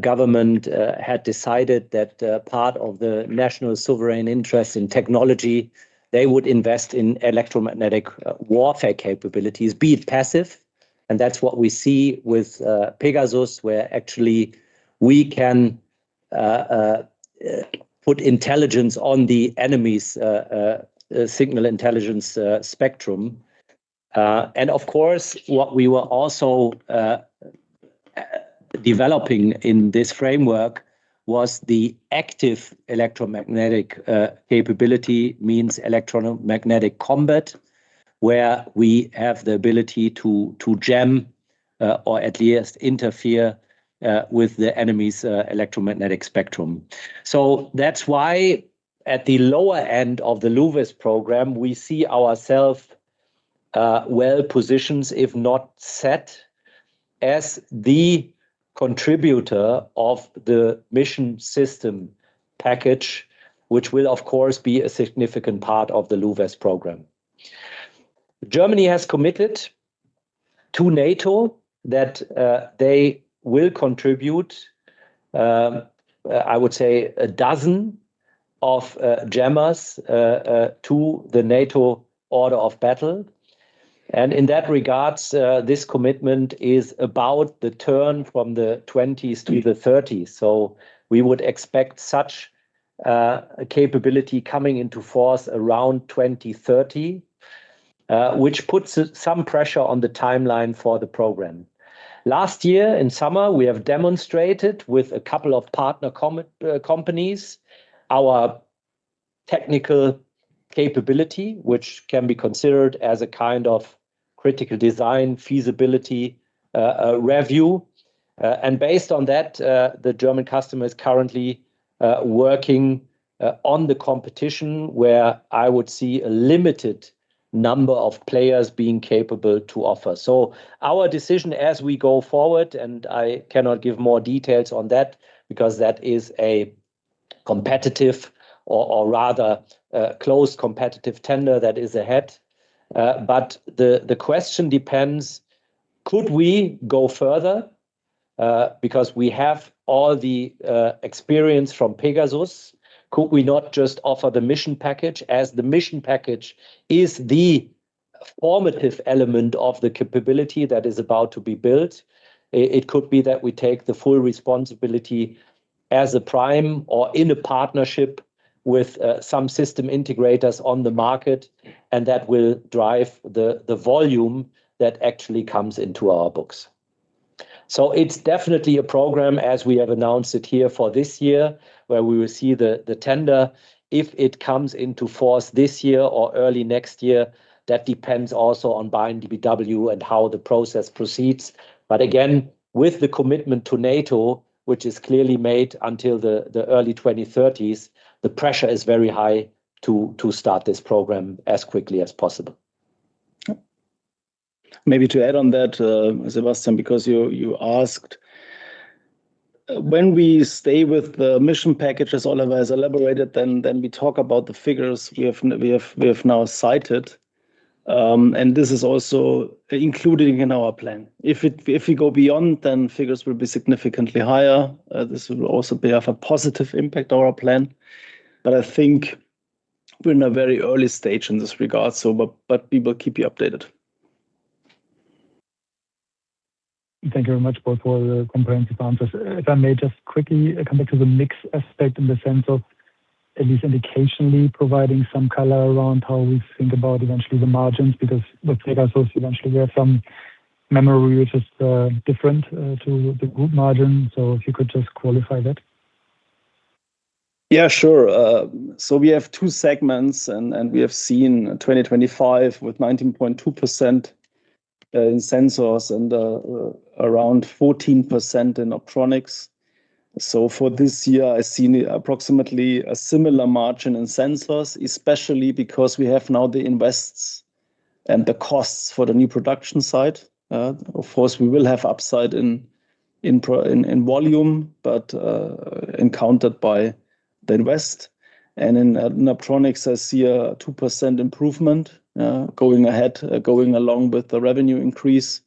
government had decided that part of the national sovereign interest in technology, they would invest in electromagnetic warfare capabilities, be it passive, and that's what we see with PEGASUS, where actually we can put intelligence on the enemy's signal intelligence spectrum. And of course, what we were also developing in this framework was the active electromagnetic capability. Means electromagnetic combat, where we have the ability to jam or at least interfere with the enemy's electromagnetic spectrum. That's why at the lower end of the LuWES program, we see ourselves well positioned, if not set, as the contributor of the mission system package, which will, of course, be a significant part of the LuWES program. Germany has committed to NATO that they will contribute, I would say a dozen of jammers to the NATO Order of Battle. In that regard, this commitment is about the turn from the twenties to the thirties. We would expect such capability coming into force around 2030, which puts some pressure on the timeline for the program. Last year, in summer, we have demonstrated with a couple of partner companies, our technical capability, which can be considered as a kind of critical design, feasibility review. Based on that, the German customer is currently working on the competition, where I would see a limited number of players being capable to offer. Our decision as we go forward, and I cannot give more details on that, because that is a competitive or rather, a close competitive tender that is ahead. The question depends, could we go further? Because we have all the experience from PEGASUS, could we not just offer the mission package, as the mission package is the formative element of the capability that is about to be built? It could be that we take the full responsibility as a prime or in a partnership with some system integrators on the market, and that will drive the volume that actually comes into our books. It's definitely a program, as we have announced it here for this year, where we will see the tender, if it comes into force this year or early next year, that depends also on buying DBW and how the process proceeds. Again, with the commitment to NATO, which is clearly made until the early 2030s, the pressure is very high to start this program as quickly as possible. Maybe to add on that, Sebastian, because you asked. When we stay with the mission package, as Oliver has elaborated, then we talk about the figures we have now cited. This is also including in our plan. If we go beyond, then figures will be significantly higher. This will also bear of a positive impact on our plan, but I think we're in a very early stage in this regard, but we will keep you updated. Thank you very much, both, for the comprehensive answers. If I may just quickly come back to the mix aspect in the sense of at least indicationally providing some color around how we think about eventually the margins, because with Pegasus, eventually we have some memory, which is different to the group margin. If you could just qualify that. Yeah, sure. We have two segments, we have seen 2025, with 19.2% in sensors and around 14% in optronics. For this year, I see approximately a similar margin in sensors, especially because we have now the invests and the costs for the new production site. Of course, we will have upside in volume, but encountered by the invest. In optronics, I see a 2% improvement going ahead going along with the revenue increase.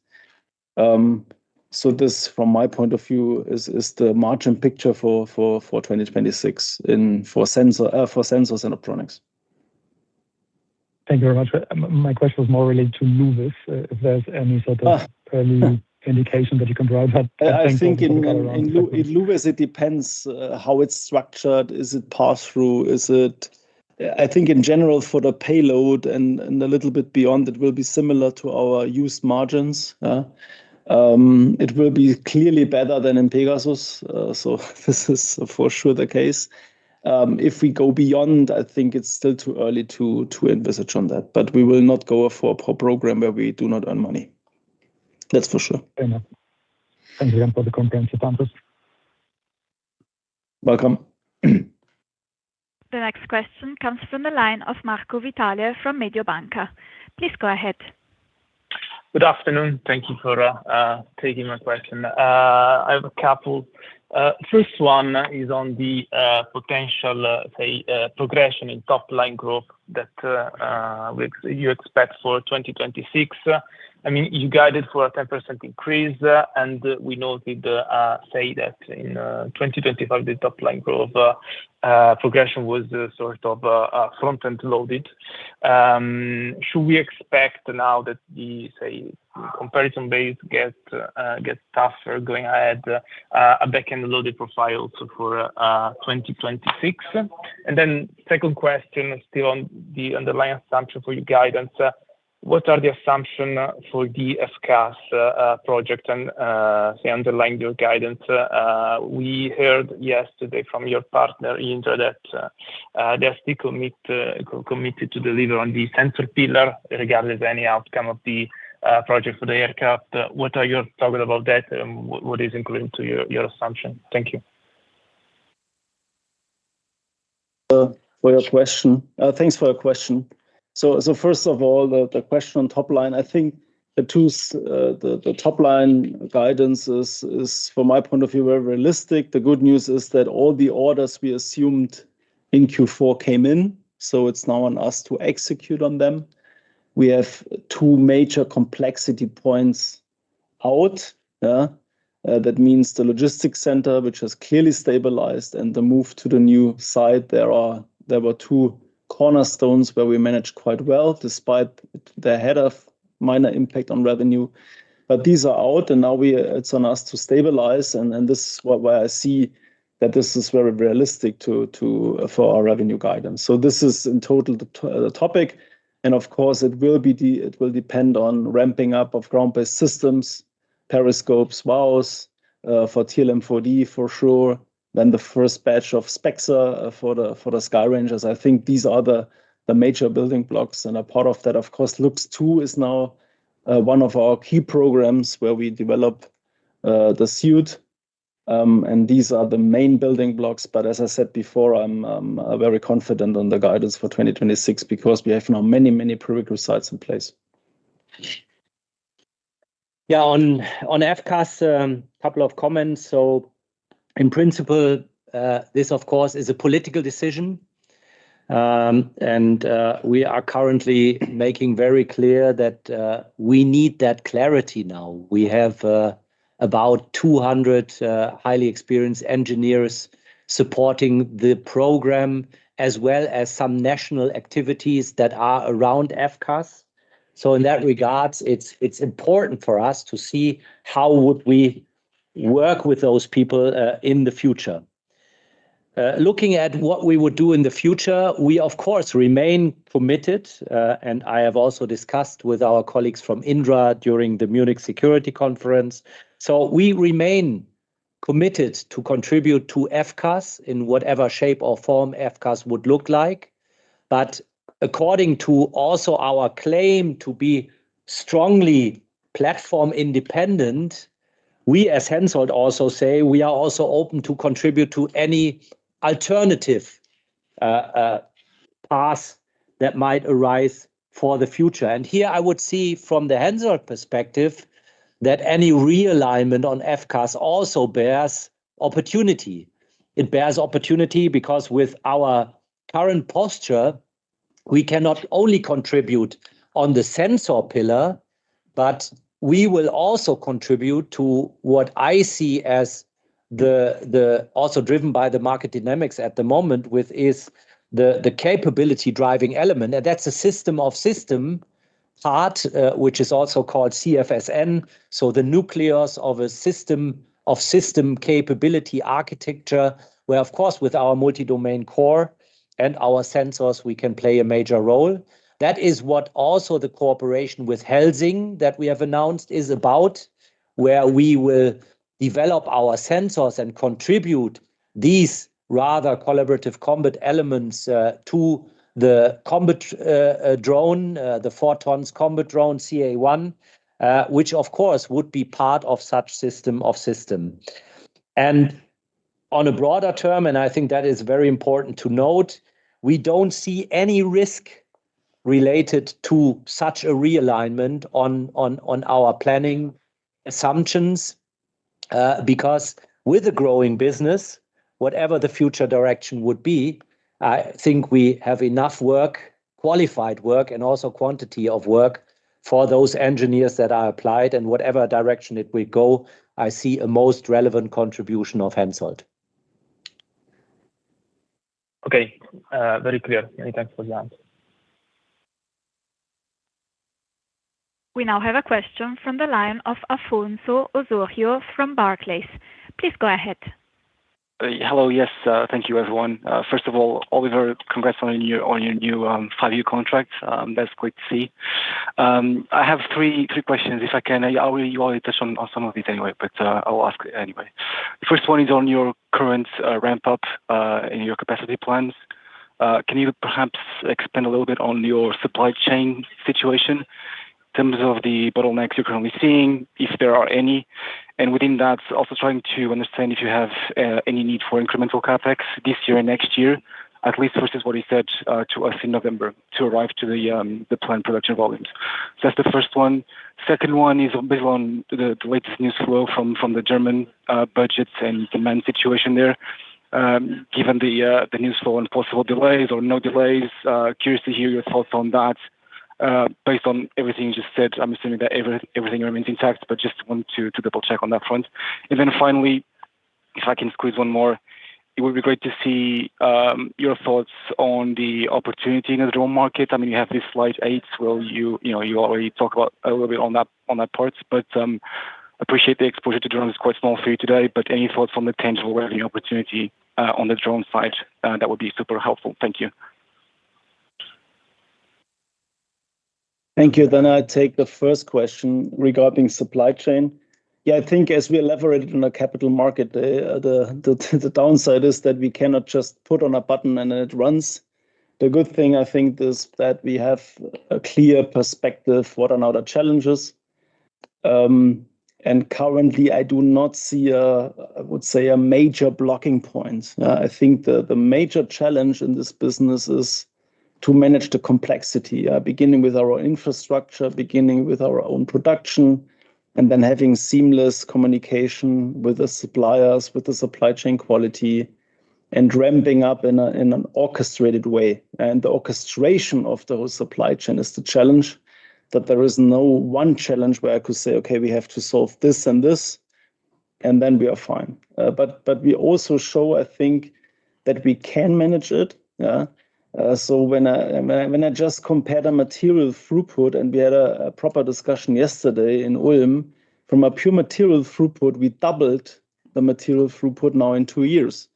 This, from my point of view, is the margin picture for 2026 for sensors and optronics. Thank you very much. My question was more related to LuWES, if there's any sort of.early indication that you can provide, but. I think in LuWES, it depends how it's structured. Is it pass-through? I think in general, for the payload and a little bit beyond, it will be similar to our use margins. It will be clearly better than in PEGASUS, this is for sure the case. If we go beyond, I think it's still too early to envisage on that, we will not go for a poor program where we do not earn money. That's for sure. Fair enough. Thank you again for the comprehensive answers. Welcome. The next question comes from the line of Marco Vitale from Mediobanca. Please go ahead. Good afternoon. Thank you for taking my question. I have a couple. First one is on the potential, say, progression in top-line growth that you expect for 2026. I mean, you guided for a 10% increase, and we noted, say that in 2025, the top-line growth progression was sort of front-end loaded. Should we expect now that the, say, comparison base get tougher going ahead, a back-end loaded profile for 2026? Second question, still on the underlying assumption for your guidance: What are the assumption for the FCAS project and, say, underlying your guidance? We heard yesterday from your partner, Indra, that they're still committed to deliver on the sensor pillar, regardless of any outcome of the project for the aircraft. What are your thoughts about that, and what is included to your assumption? Thank you. For your question. Thanks for your question. First of all, the question on top line, I think the two s- the top-line guidance is, from my point of view, very realistic. The good news is that all the orders we assumed in Q4 came in. It's now on us to execute on them. We have two major complexity points out. That means the logistics center, which has clearly stabilized, and the move to the new site. There were two cornerstones where we managed quite well, despite they had a minor impact on revenue. These are out, and now we, it's on us to stabilize, and this is w- where I see that this is very realistic to, for our revenue guidance. This is, in total, the topic, and of course, it will depend on ramping up of ground-based systems, periscopes, MAWS for TRML-4D for sure, then the first batch of SPEXER for the Skyranger. I think these are the major building blocks, and a part of that, of course, Luchs 2 is now one of our key programs where we develop the suit, and these are the main building blocks. As I said before, I'm very confident on the guidance for 2026 because we have now many, many critical sites in place. On FCAS, couple of comments. In principle, this, of course, is a political decision. We are currently making very clear that we need that clarity now. We have about 200 highly experienced engineers supporting the program, as well as some national activities that are around FCAS. In that regards, it's important for us to see how would we work with those people in the future. Looking at what we would do in the future, we, of course, remain committed, and I have also discussed with our colleagues from Indra during the Munich Security Conference. We remain committed to contribute to FCAS in whatever shape or form FCAS would look like. According to also our claim to be strongly platform independent, we as Hensoldt also say we are also open to contribute to any alternative path that might arise for the future. Here I would see from the Hensoldt perspective, that any realignment on FCAS also bears opportunity. It bears opportunity because with our current posture, we cannot only contribute on the sensor pillar, but we will also contribute to what I see as the also driven by the market dynamics at the moment, with is the capability driving element. That's a system of system art, which is also called CFSN. The nucleus of a system of system capability architecture, where of course, with our multi-domain core and our sensors, we can play a major role. That is what also the cooperation with Helsing, that we have announced, is about, where we will develop our sensors and contribute these rather collaborative combat elements, to the combat drone, the four tons combat drone, CA-One, which of course would be part of such system of system. On a broader term, and I think that is very important to note, we don't see any risk related to such a realignment on our planning assumptions, because with the growing business, whatever the future direction would be, I think we have enough work, qualified work, and also quantity of work for those engineers that are applied. Whatever direction it will go, I see a most relevant contribution of Hensoldt. Okay, very clear. Many thanks for the answer. We now have a question from the line of Afonso Osório from Barclays. Please go ahead. Hello. Yes, thank you, everyone. First of all, Oliver, congrats on your new five-year contract, that's great to see. I have three questions, if I can. You already touched on some of it anyway, but I'll ask anyway. The first one is on your current ramp up and your capacity plans. Can you perhaps expand a little bit on your supply chain situation in terms of the bottlenecks you're currently seeing, if there are any? Within that, also trying to understand if you have any need for incremental CapEx this year and next year, at least versus what you said to us in November to arrive to the planned production volumes. That's the first one. Second one is a bit on the latest news flow from the German budgets and demand situation there. Given the news flow and possible delays or no delays, curious to hear your thoughts on that. Based on everything you just said, I'm assuming that everything remains intact, but just want to double-check on that front. Finally, if I can squeeze one more, it would be great to see your thoughts on the opportunity in the drone market. I mean, you have this slide eight, well, you know, you already talked about a little bit on that part. Appreciate the exposure to drone is quite small for you today, but any thoughts on the tangible value opportunity on the drone side that would be super helpful. Thank you. Thank you. I take the first question regarding supply chain. Yeah, I think as we levered in the capital market, the downside is that we cannot just put on a button and it runs. The good thing, I think, is that we have a clear perspective what are now the challenges. Currently, I do not see, I would say, a major blocking point. I think the major challenge in this business is to manage the complexity, beginning with our own infrastructure, beginning with our own production, and then having seamless communication with the suppliers, with the supply chain quality, and ramping up in an orchestrated way. The orchestration of the whole supply chain is the challenge, that there is no one challenge where I could say, "Okay, we have to solve this and this, and then we are fine." But we also show, I think, that we can manage it. When I just compared the material throughput, and we had a proper discussion yesterday in Ulm. From a pure material throughput, we doubled the material throughput now in two years.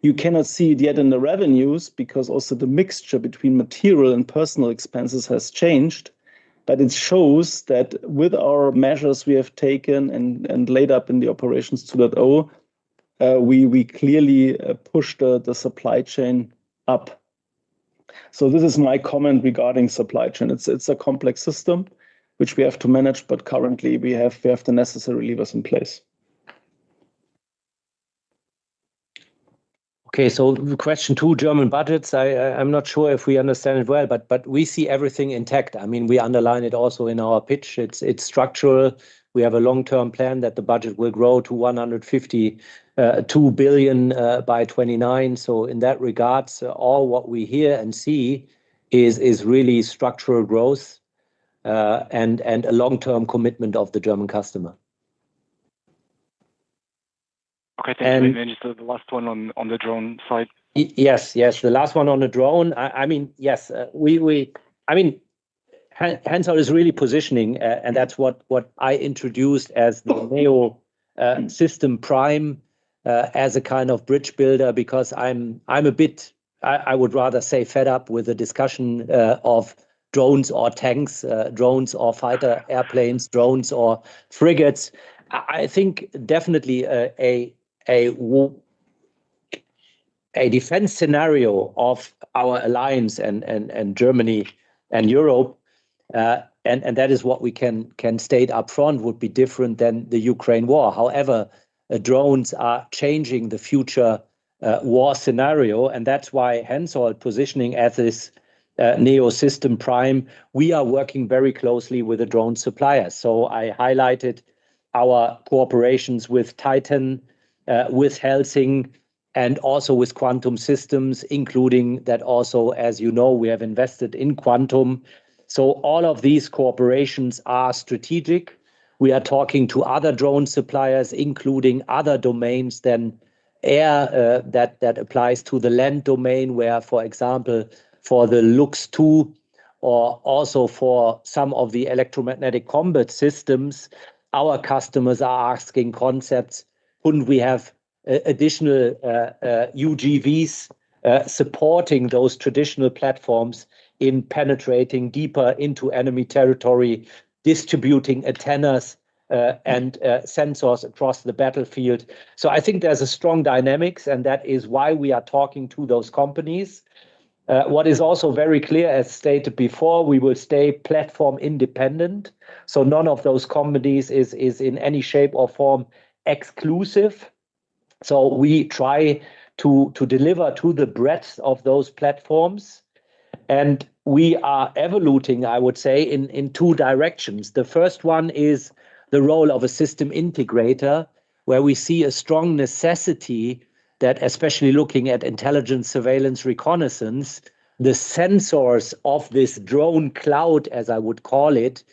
You cannot see it yet in the revenues because also the mixture between material and personal expenses has changed, but it shows that with our measures we have taken and laid up in the Operations 2.0, we clearly pushed the supply chain up. This is my comment regarding supply chain. It's a complex system which we have to manage, but currently we have the necessary levers in place. Question two, German budgets. I'm not sure if we understand it well, but we see everything intact. I mean, we underline it also in our pitch. It's structural. We have a long-term plan that the budget will grow to 152 billion by 2029. In that regards, all what we hear and see is really structural growth and a long-term commitment of the German customer. Okay, thank you very much. And. The last one on the drone side. Yes, yes. The last one on the drone. I mean, yes, we, I mean, Hensoldt is really positioning, and that's what I introduced as the neo system prime as a kind of bridge builder, because I'm a bit, I would rather say fed up with the discussion of drones or tanks, drones or fighter airplanes, drones or frigates. I think definitely a defense scenario of our alliance and Germany and Europe, and that is what we can state upfront would be different than the Ukraine war. However, drones are changing the future war scenario, and that's why Hensoldt positioning as this neo system prime. We are working very closely with the drone suppliers. I highlighted our cooperations with TYTAN, with Helsing, and also with Quantum Systems, including that also, as you know, we have invested in Quantum. All of these cooperations are strategic. We are talking to other drone suppliers, including other domains than air, that applies to the land domain, where, for example, for the Luchs 2 or also for some of the electromagnetic combat systems, our customers are asking concepts, "Wouldn't we have a additional UGVs supporting those traditional platforms in penetrating deeper into enemy territory, distributing antennas and sensors across the battlefield?" I think there's a strong dynamics, and that is why we are talking to those companies. What is also very clear, as stated before, we will stay platform independent, so none of those companies is in any shape or form exclusive. We try to deliver to the breadth of those platforms, and we are evoluting, I would say, in two directions. The first one is the role of a system integrator, where we see a strong necessity that especially looking at intelligence, surveillance, reconnaissance, the sensors of this drone cloud, as I would call it,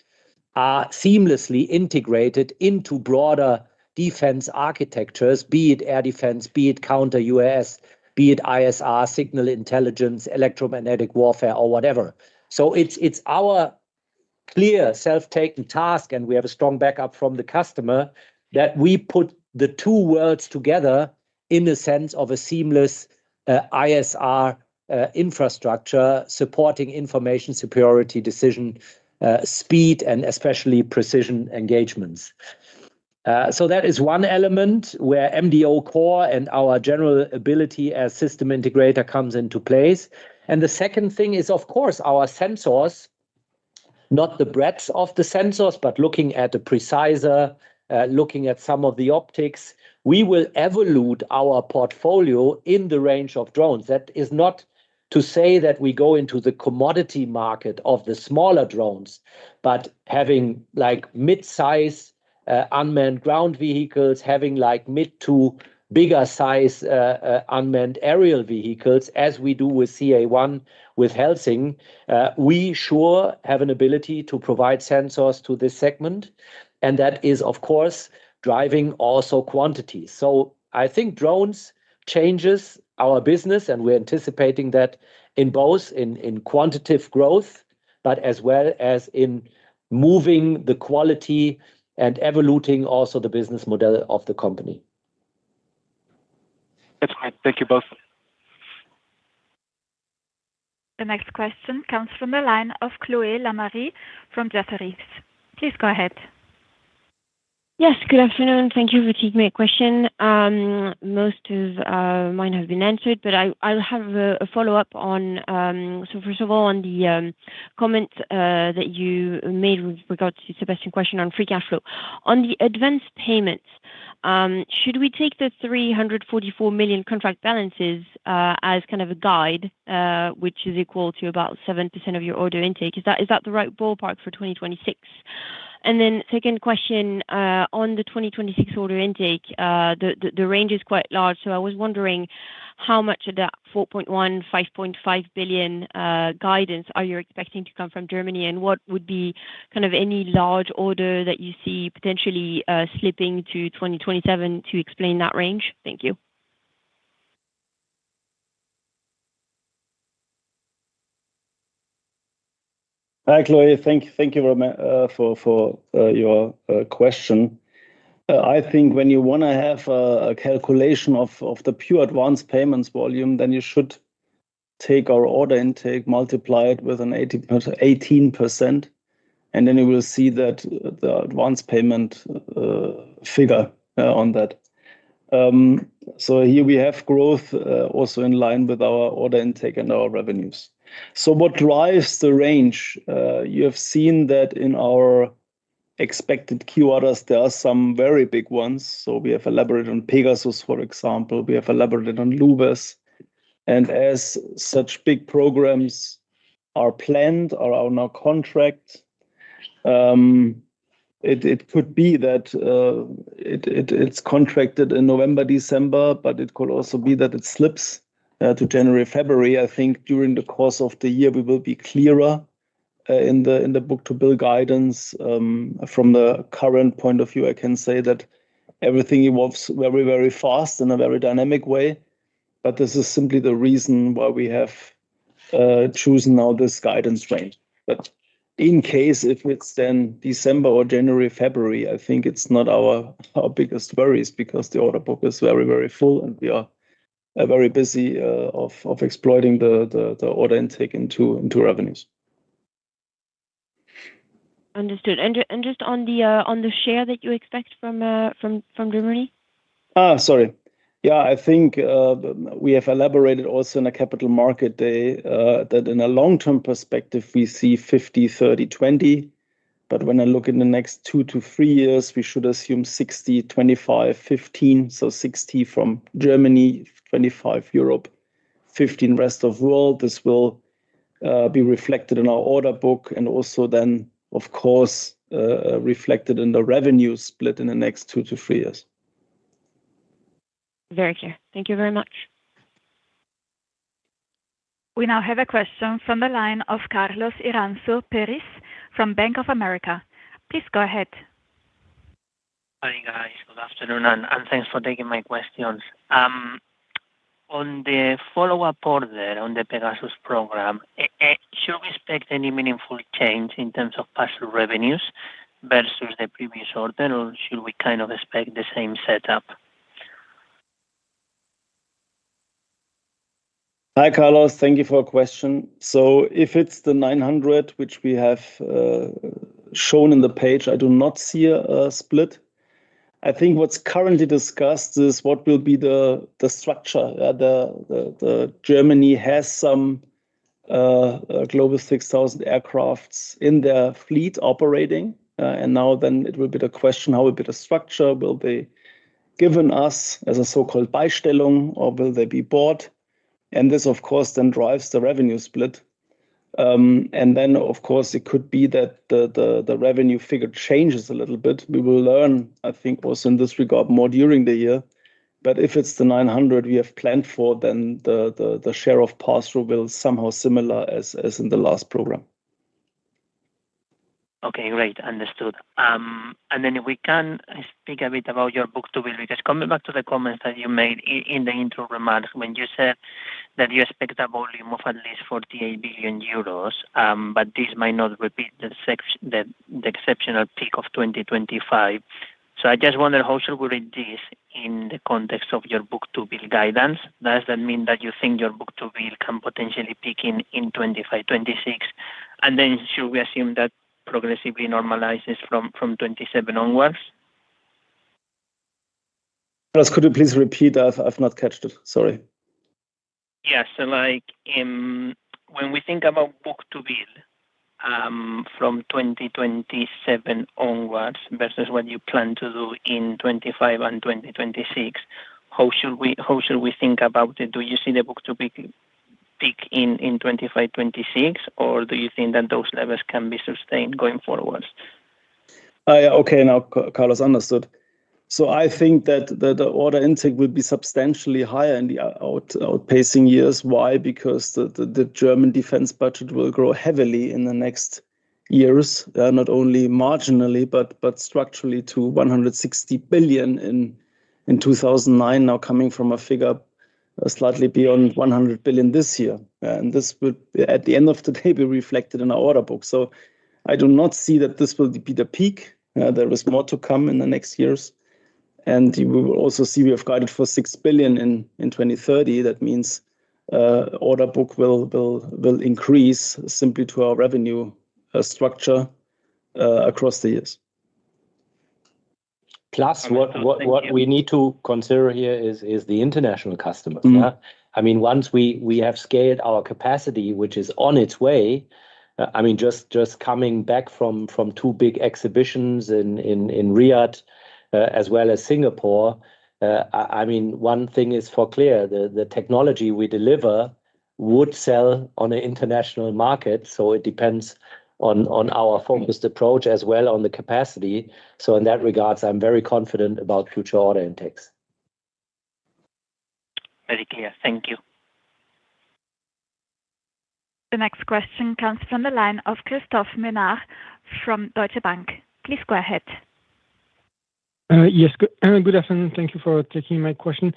are seamlessly integrated into broader defense architectures, be it air defense, be it counter UAS, be it ISR, signal intelligence, electromagnetic warfare or whatever. It's our clear self-taken task, and we have a strong backup from the customer, that we put the two worlds together in the sense of a seamless ISR infrastructure, supporting information, superiority, decision speed, and especially precision engagements. That is one element where MDOcore and our general ability as system integrator comes into place. The second thing is, of course, our sensors, not the breadth of the sensors, but looking at the Preciser, looking at some of the optics, we will evolute our portfolio in the range of drones. That is not to say that we go into the commodity market of the smaller drones, but having, like, mid-size unmanned ground vehicles, having, like, mid to bigger size unmanned aerial vehicles, as we do with CA-One, with Helsing, we sure have an ability to provide sensors to this segment, and that is, of course, driving also quantity. I think drones changes our business, and we're anticipating that in both in quantitative growth, but as well as in moving the quality and evoluting also the business model of the company. That's fine. Thank you both. The next question comes from the line of Chloé Lemarié from Jefferies. Please go ahead. Yes, good afternoon, and thank you for taking my question. Most of mine have been answered, but I'll have a follow-up. First of all, on the comment that you made with regards to Sebastian question on free cash flow. On the advanced payments, should we take the 344 million contract balances as kind of a guide, which is equal to about 7% of your order intake? Is that the right ballpark for 2026? Second question, on the 2026 order intake, the range is quite large. I was wondering how much of that 4.1 billion-5.5 billion guidance are you expecting to come from Germany, and what would be kind of any large order that you see potentially slipping to 2027 to explain that range? Thank you. Hi, Chloe. Thank you very much for your question. I think when you want to have a calculation of the pure advanced payments volume, you should take our order intake, multiply it with an 18%, and you will see that the advanced payment figure on that. Here we have growth also in line with our order intake and our revenues. What drives the range? You have seen that in our expected key orders, there are some very big ones. We have elaborated on PEGASUS, for example, we have elaborated on Luchs 2. As such big programs are planned or are now contract, it could be that it's contracted in November, December, but it could also be that it slips to January, February. I think during the course of the year, we will be clearer in the book-to-bill guidance. From the current point of view, I can say that everything evolves very, very fast in a very dynamic way, this is simply the reason why we have chosen now this guidance range. In case if it's then December or January, February, I think it's not our biggest worries because the order book is very, very full, and we are very busy of exploiting the order intake into revenues. Understood. Just on the on the share that you expect from Germany? Sorry. Yeah, I think we have elaborated also in a Capital Markets Day that in a long-term perspective, we see 50%, 30%, 20%. When I look in the next two to three years, we should assume 60%, 25%, 15%. 60% from Germany, 25% Europe, 15% rest of world. This will be reflected in our order book and also then, of course, reflected in the revenue split in the next 2two to three years. Very clear. Thank you very much. We now have a question from the line of Carlos Iranzo Perez from Bank of America. Please go ahead. Hi, guys. Good afternoon, and thanks for taking my questions. On the follow-up order on the PEGASUS program, should we expect any meaningful change in terms of pass-through revenues versus the previous order, or should we kind of expect the same setup? Hi, Carlos. Thank you for your question. If it's the 900, which we have shown in the page, I do not see a split. I think what's currently discussed is what will be the structure. Germany has some Global 6000 aircrafts in their fleet operating. Now then it will be the question, how a bit of structure will be given us as a so-called Beistellung, or will they be bought? This, of course, then drives the revenue split. Then, of course, it could be that the revenue figure changes a little bit. We will learn, I think, also in this regard, more during the year. If it's the 900 we have planned for, then the share of pass-through will somehow similar as in the last program. Okay, great. Understood. We can speak a bit about your book-to-bill. Just coming back to the comments that you made in the intro remarks when you said that you expect a volume of at least 48 billion euros, but this might not repeat the exceptional peak of 2025. I just wonder, how should we read this in the context of your book-to-bill guidance? Does that mean that you think your book-to-bill can potentially peak in 2025-2026? Should we assume that progressively normalizes from 2027 onwards? Carlos, could you please repeat? I've not catched it. Sorry. Yeah. like in, when we think about book-to-bill, from 2027 onwards versus what you plan to do in 2025 and 2026, how should we think about it? Do you see the book-to-bill peak in 2025, 2026, or do you think that those levels can be sustained going forwards? Yeah. Okay, now, Carlos, understood. I think that the order intake will be substantially higher in the outpacing years. Why? Because the German defense budget will grow heavily in the next years, not only marginally, but structurally to 160 billion in 2009, now coming from a figure slightly beyond 100 billion this year. This will, at the end of the day, be reflected in our order book. I do not see that this will be the peak. There is more to come in the next years, and we will also see we have guided for 6 billion in 2030. That means, order book will increase simply to our revenue structure across the years. What we need to consider here is the international customers. Mmm. Yeah. I mean, once we have scaled our capacity, which is on its way, I mean, just coming back from two big exhibitions in Riyadh, as well as Singapore, I mean, one thing is for clear, the technology we deliver would sell on an international market, so it depends on our focused approach as well on the capacity. In that regards, I'm very confident about future order intakes. Very clear. Thank you. The next question comes from the line of Christophe Menard from Deutsche Bank. Please go ahead. Yes, good afternoon. Thank you for taking my question.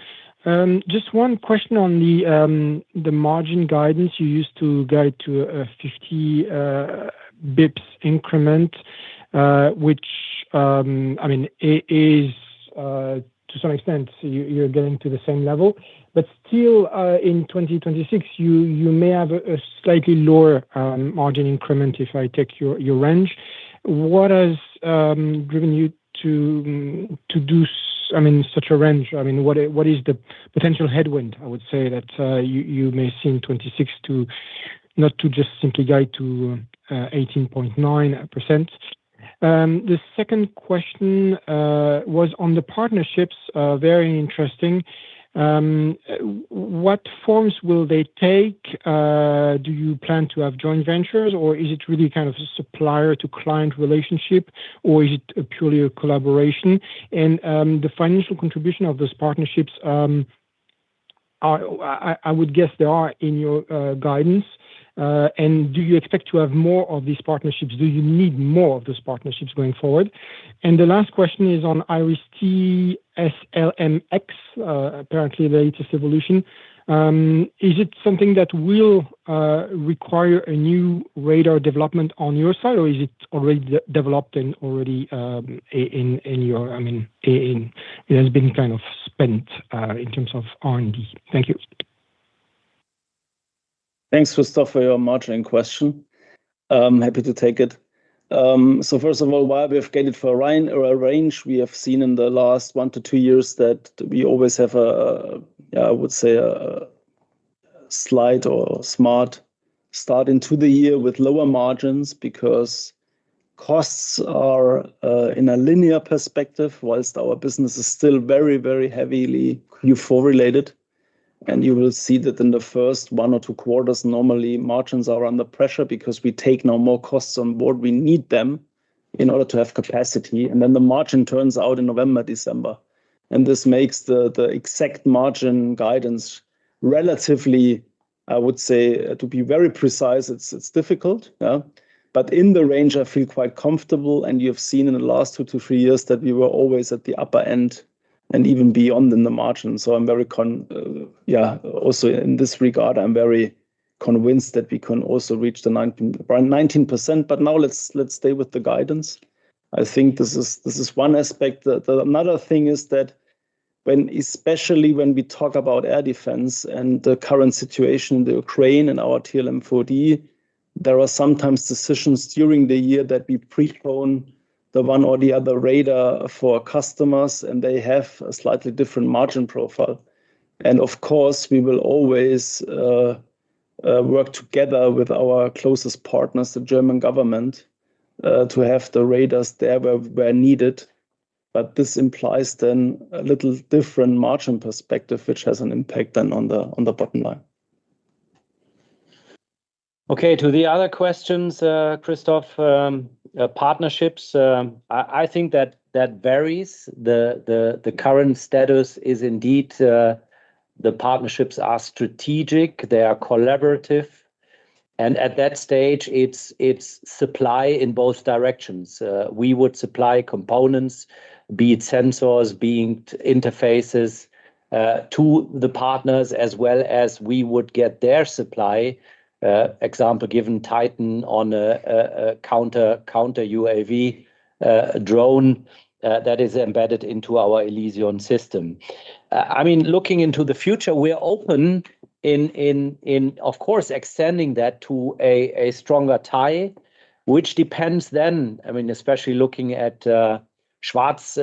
Just one question on the margin guidance. You used to guide to a 50 basis points increment, which, I mean, to some extent, you're getting to the same level, but still, in 2026, you may have a slightly lower margin increment if I take your range. What has driven you to do, I mean, such a range? I mean, what is the potential headwind, I would say, that you may see in 26 to not to just simply go to 18.9%. The second question was on the partnerships, very interesting. What forms will they take? Do you plan to have joint ventures, or is it really kind of a supplier-to-client relationship, or is it purely a collaboration? The financial contribution of those partnerships, I would guess they are in your guidance. Do you expect to have more of these partnerships? Do you need more of these partnerships going forward? The last question is on IRIS-T SLMX, apparently the latest evolution. Is it something that will require a new radar development on your side, or is it already developed and already in your, I mean, it has been kind of spent in terms of R&D? Thank you. Thanks, Christophe, for your margin question. I'm happy to take it. First of all, why we have guided for a range or a range we have seen in the last one to two years that we always have a, I would say, a slight or smart start into the year with lower margins, because costs are in a linear perspective, whilst our business is still very, very heavily Q4 related. You will see that in the first one or two quarters, normally, margins are under pressure because we take now more costs on board. We need them in order to have capacity, and then the margin turns out in November, December. This makes the exact margin guidance relatively, I would say, to be very precise, it's difficult. In the range, I feel quite comfortable, and you have seen in the last two to three years that we were always at the upper end and even beyond in the margin. I'm very convinced, also in this regard, that we can also reach the around 19%. Now let's stay with the guidance. I think this is one aspect. The another thing is that when, especially when we talk about air defense and the current situation in the Ukraine and our TRML-4D, there are sometimes decisions during the year that we postpone the one or the other radar for customers, and they have a slightly different margin profile. Of course, we will always work together with our closest partners, the German government, to have the radars there where needed. This implies then a little different margin perspective, which has an impact then on the, on the bottom line. Okay, to the other questions, Christophe, partnerships, I think that varies. The current status is indeed, the partnerships are strategic, they are collaborative, and at that stage it's supply in both directions. We would supply components, be it sensors, be it interfaces, to the partners as well as we would get their supply. Example, given TYTAN on a counter UAV drone that is embedded into our Elysion system. I mean, looking into the future, we are open in, of course, extending that to a stronger tie, which depends then I mean, especially looking at Schwarz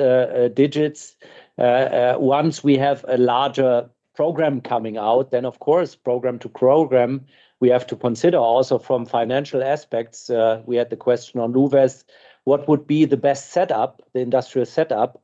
Digits. Once we have a larger program coming out, then of course, program to program, we have to consider also from financial aspects. We had the question on LuWES, what would be the best setup, the industrial setup,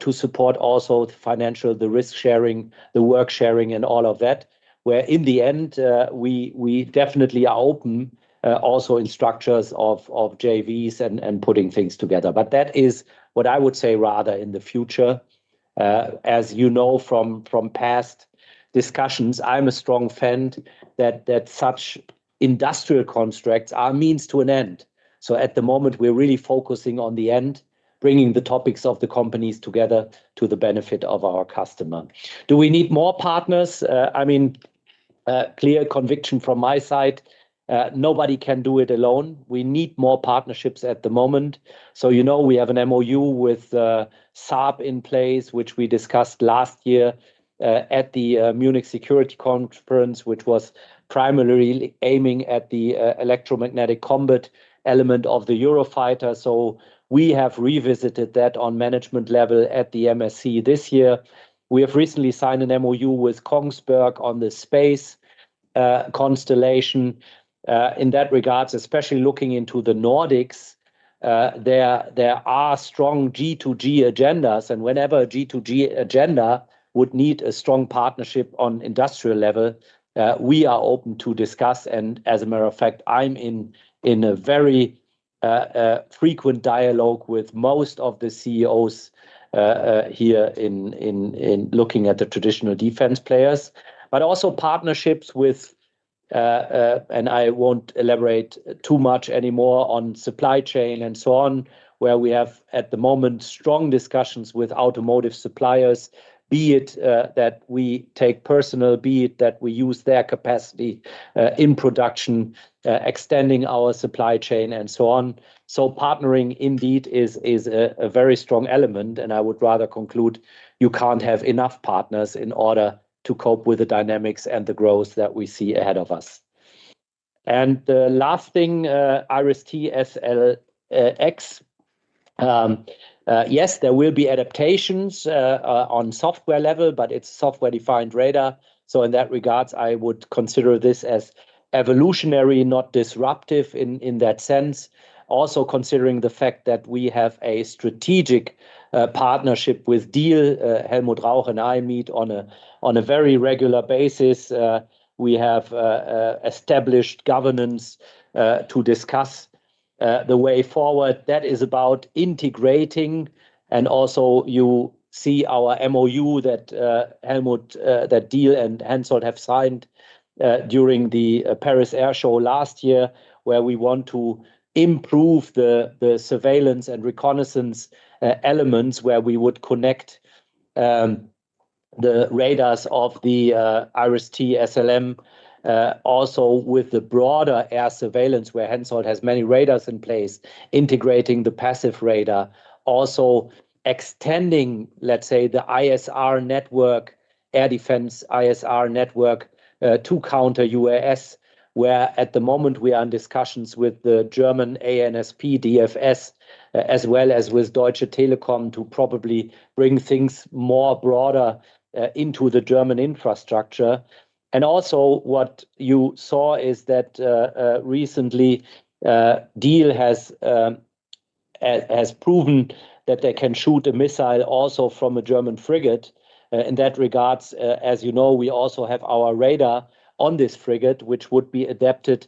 to support also the financial, the risk-sharing, the work-sharing and all of that? Where in the end, we definitely are open also in structures of JVs and putting things together. That is what I would say, rather in the future. As you know from past discussions, I'm a strong friend that such industrial constructs are means to an end. At the moment, we're really focusing on the end, bringing the topics of the companies together to the benefit of our customer. Do we need more partners? A clear conviction from my side, nobody can do it alone. We need more partnerships at the moment. We have an MOU with Saab in place, which we discussed last year at the Munich Security Conference, which was primarily aiming at the electromagnetic combat element of the Eurofighter. We have revisited that on management level at the MSC this year. We have recently signed an MOU with Kongsberg on the space constellation. In that regard, especially looking into the Nordics, there are strong G2G agendas, and whenever a G2G agenda would need a strong partnership on industrial level, we are open to discuss. And as a matter of fact, I'm in a very frequent dialogue with most of the CEOs here in looking at the traditional defense players, but also partnerships with, and I won't elaborate too much anymore on supply chain and so on, where we have, at the moment, strong discussions with automotive suppliers. Be it that we take personal, be it that we use their capacity in production, extending our supply chain, and so on. So partnering indeed is a very strong element, and I would rather conclude you can't have enough partners in order to cope with the dynamics and the growth that we see ahead of us. The last thing, IRIS-T SLX Yes, there will be adaptations on software level, but it's software-defined radar, so in that regards, I would consider this as evolutionary, not disruptive in that sense. Also, considering the fact that we have a strategic partnership with Diehl, Helmut Rauch and I meet on a very regular basis. We have established governance to discuss the way forward. That is about integrating, and also you see our MOU that Helmut, that Diehl and HENSOLDT have signed during the Paris Air Show last year, where we want to improve the surveillance and reconnaissance elements, where we would connect the radars of the IRIS-T SLM also with the broader air surveillance, where HENSOLDT has many radars in place, integrating the passive radar. Extending, let's say, the ISR network, air defense ISR network, to counter UAS, where at the moment we are in discussions with the German ANSP DFS, as well as with Deutsche Telekom to probably bring things more broader into the German infrastructure. What you saw is that recently Diehl has proven that they can shoot a missile also from a German frigate. In that regards, as you know, we also have our radar on this frigate, which would be adapted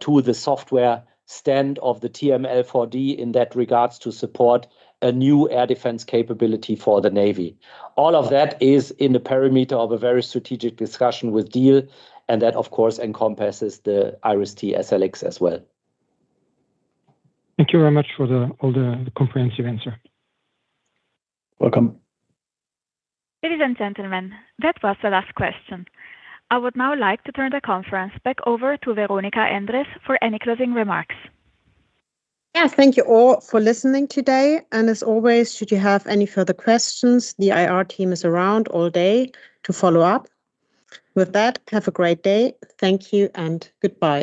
to the software stand of the TRML-4D in that regards to support a new air defense capability for the Navy. All of that is in the perimeter of a very strategic discussion with Diehl, and that, of course, encompasses the IRIS-T SLX as well. Thank you very much for all the comprehensive answer. Welcome. Ladies and gentlemen, that was the last question. I would now like to turn the conference back over to Veronika Endres for any closing remarks. Yes, thank you all for listening today, and as always, should you have any further questions, the IR team is around all day to follow up. With that, have a great day. Thank you and goodbye.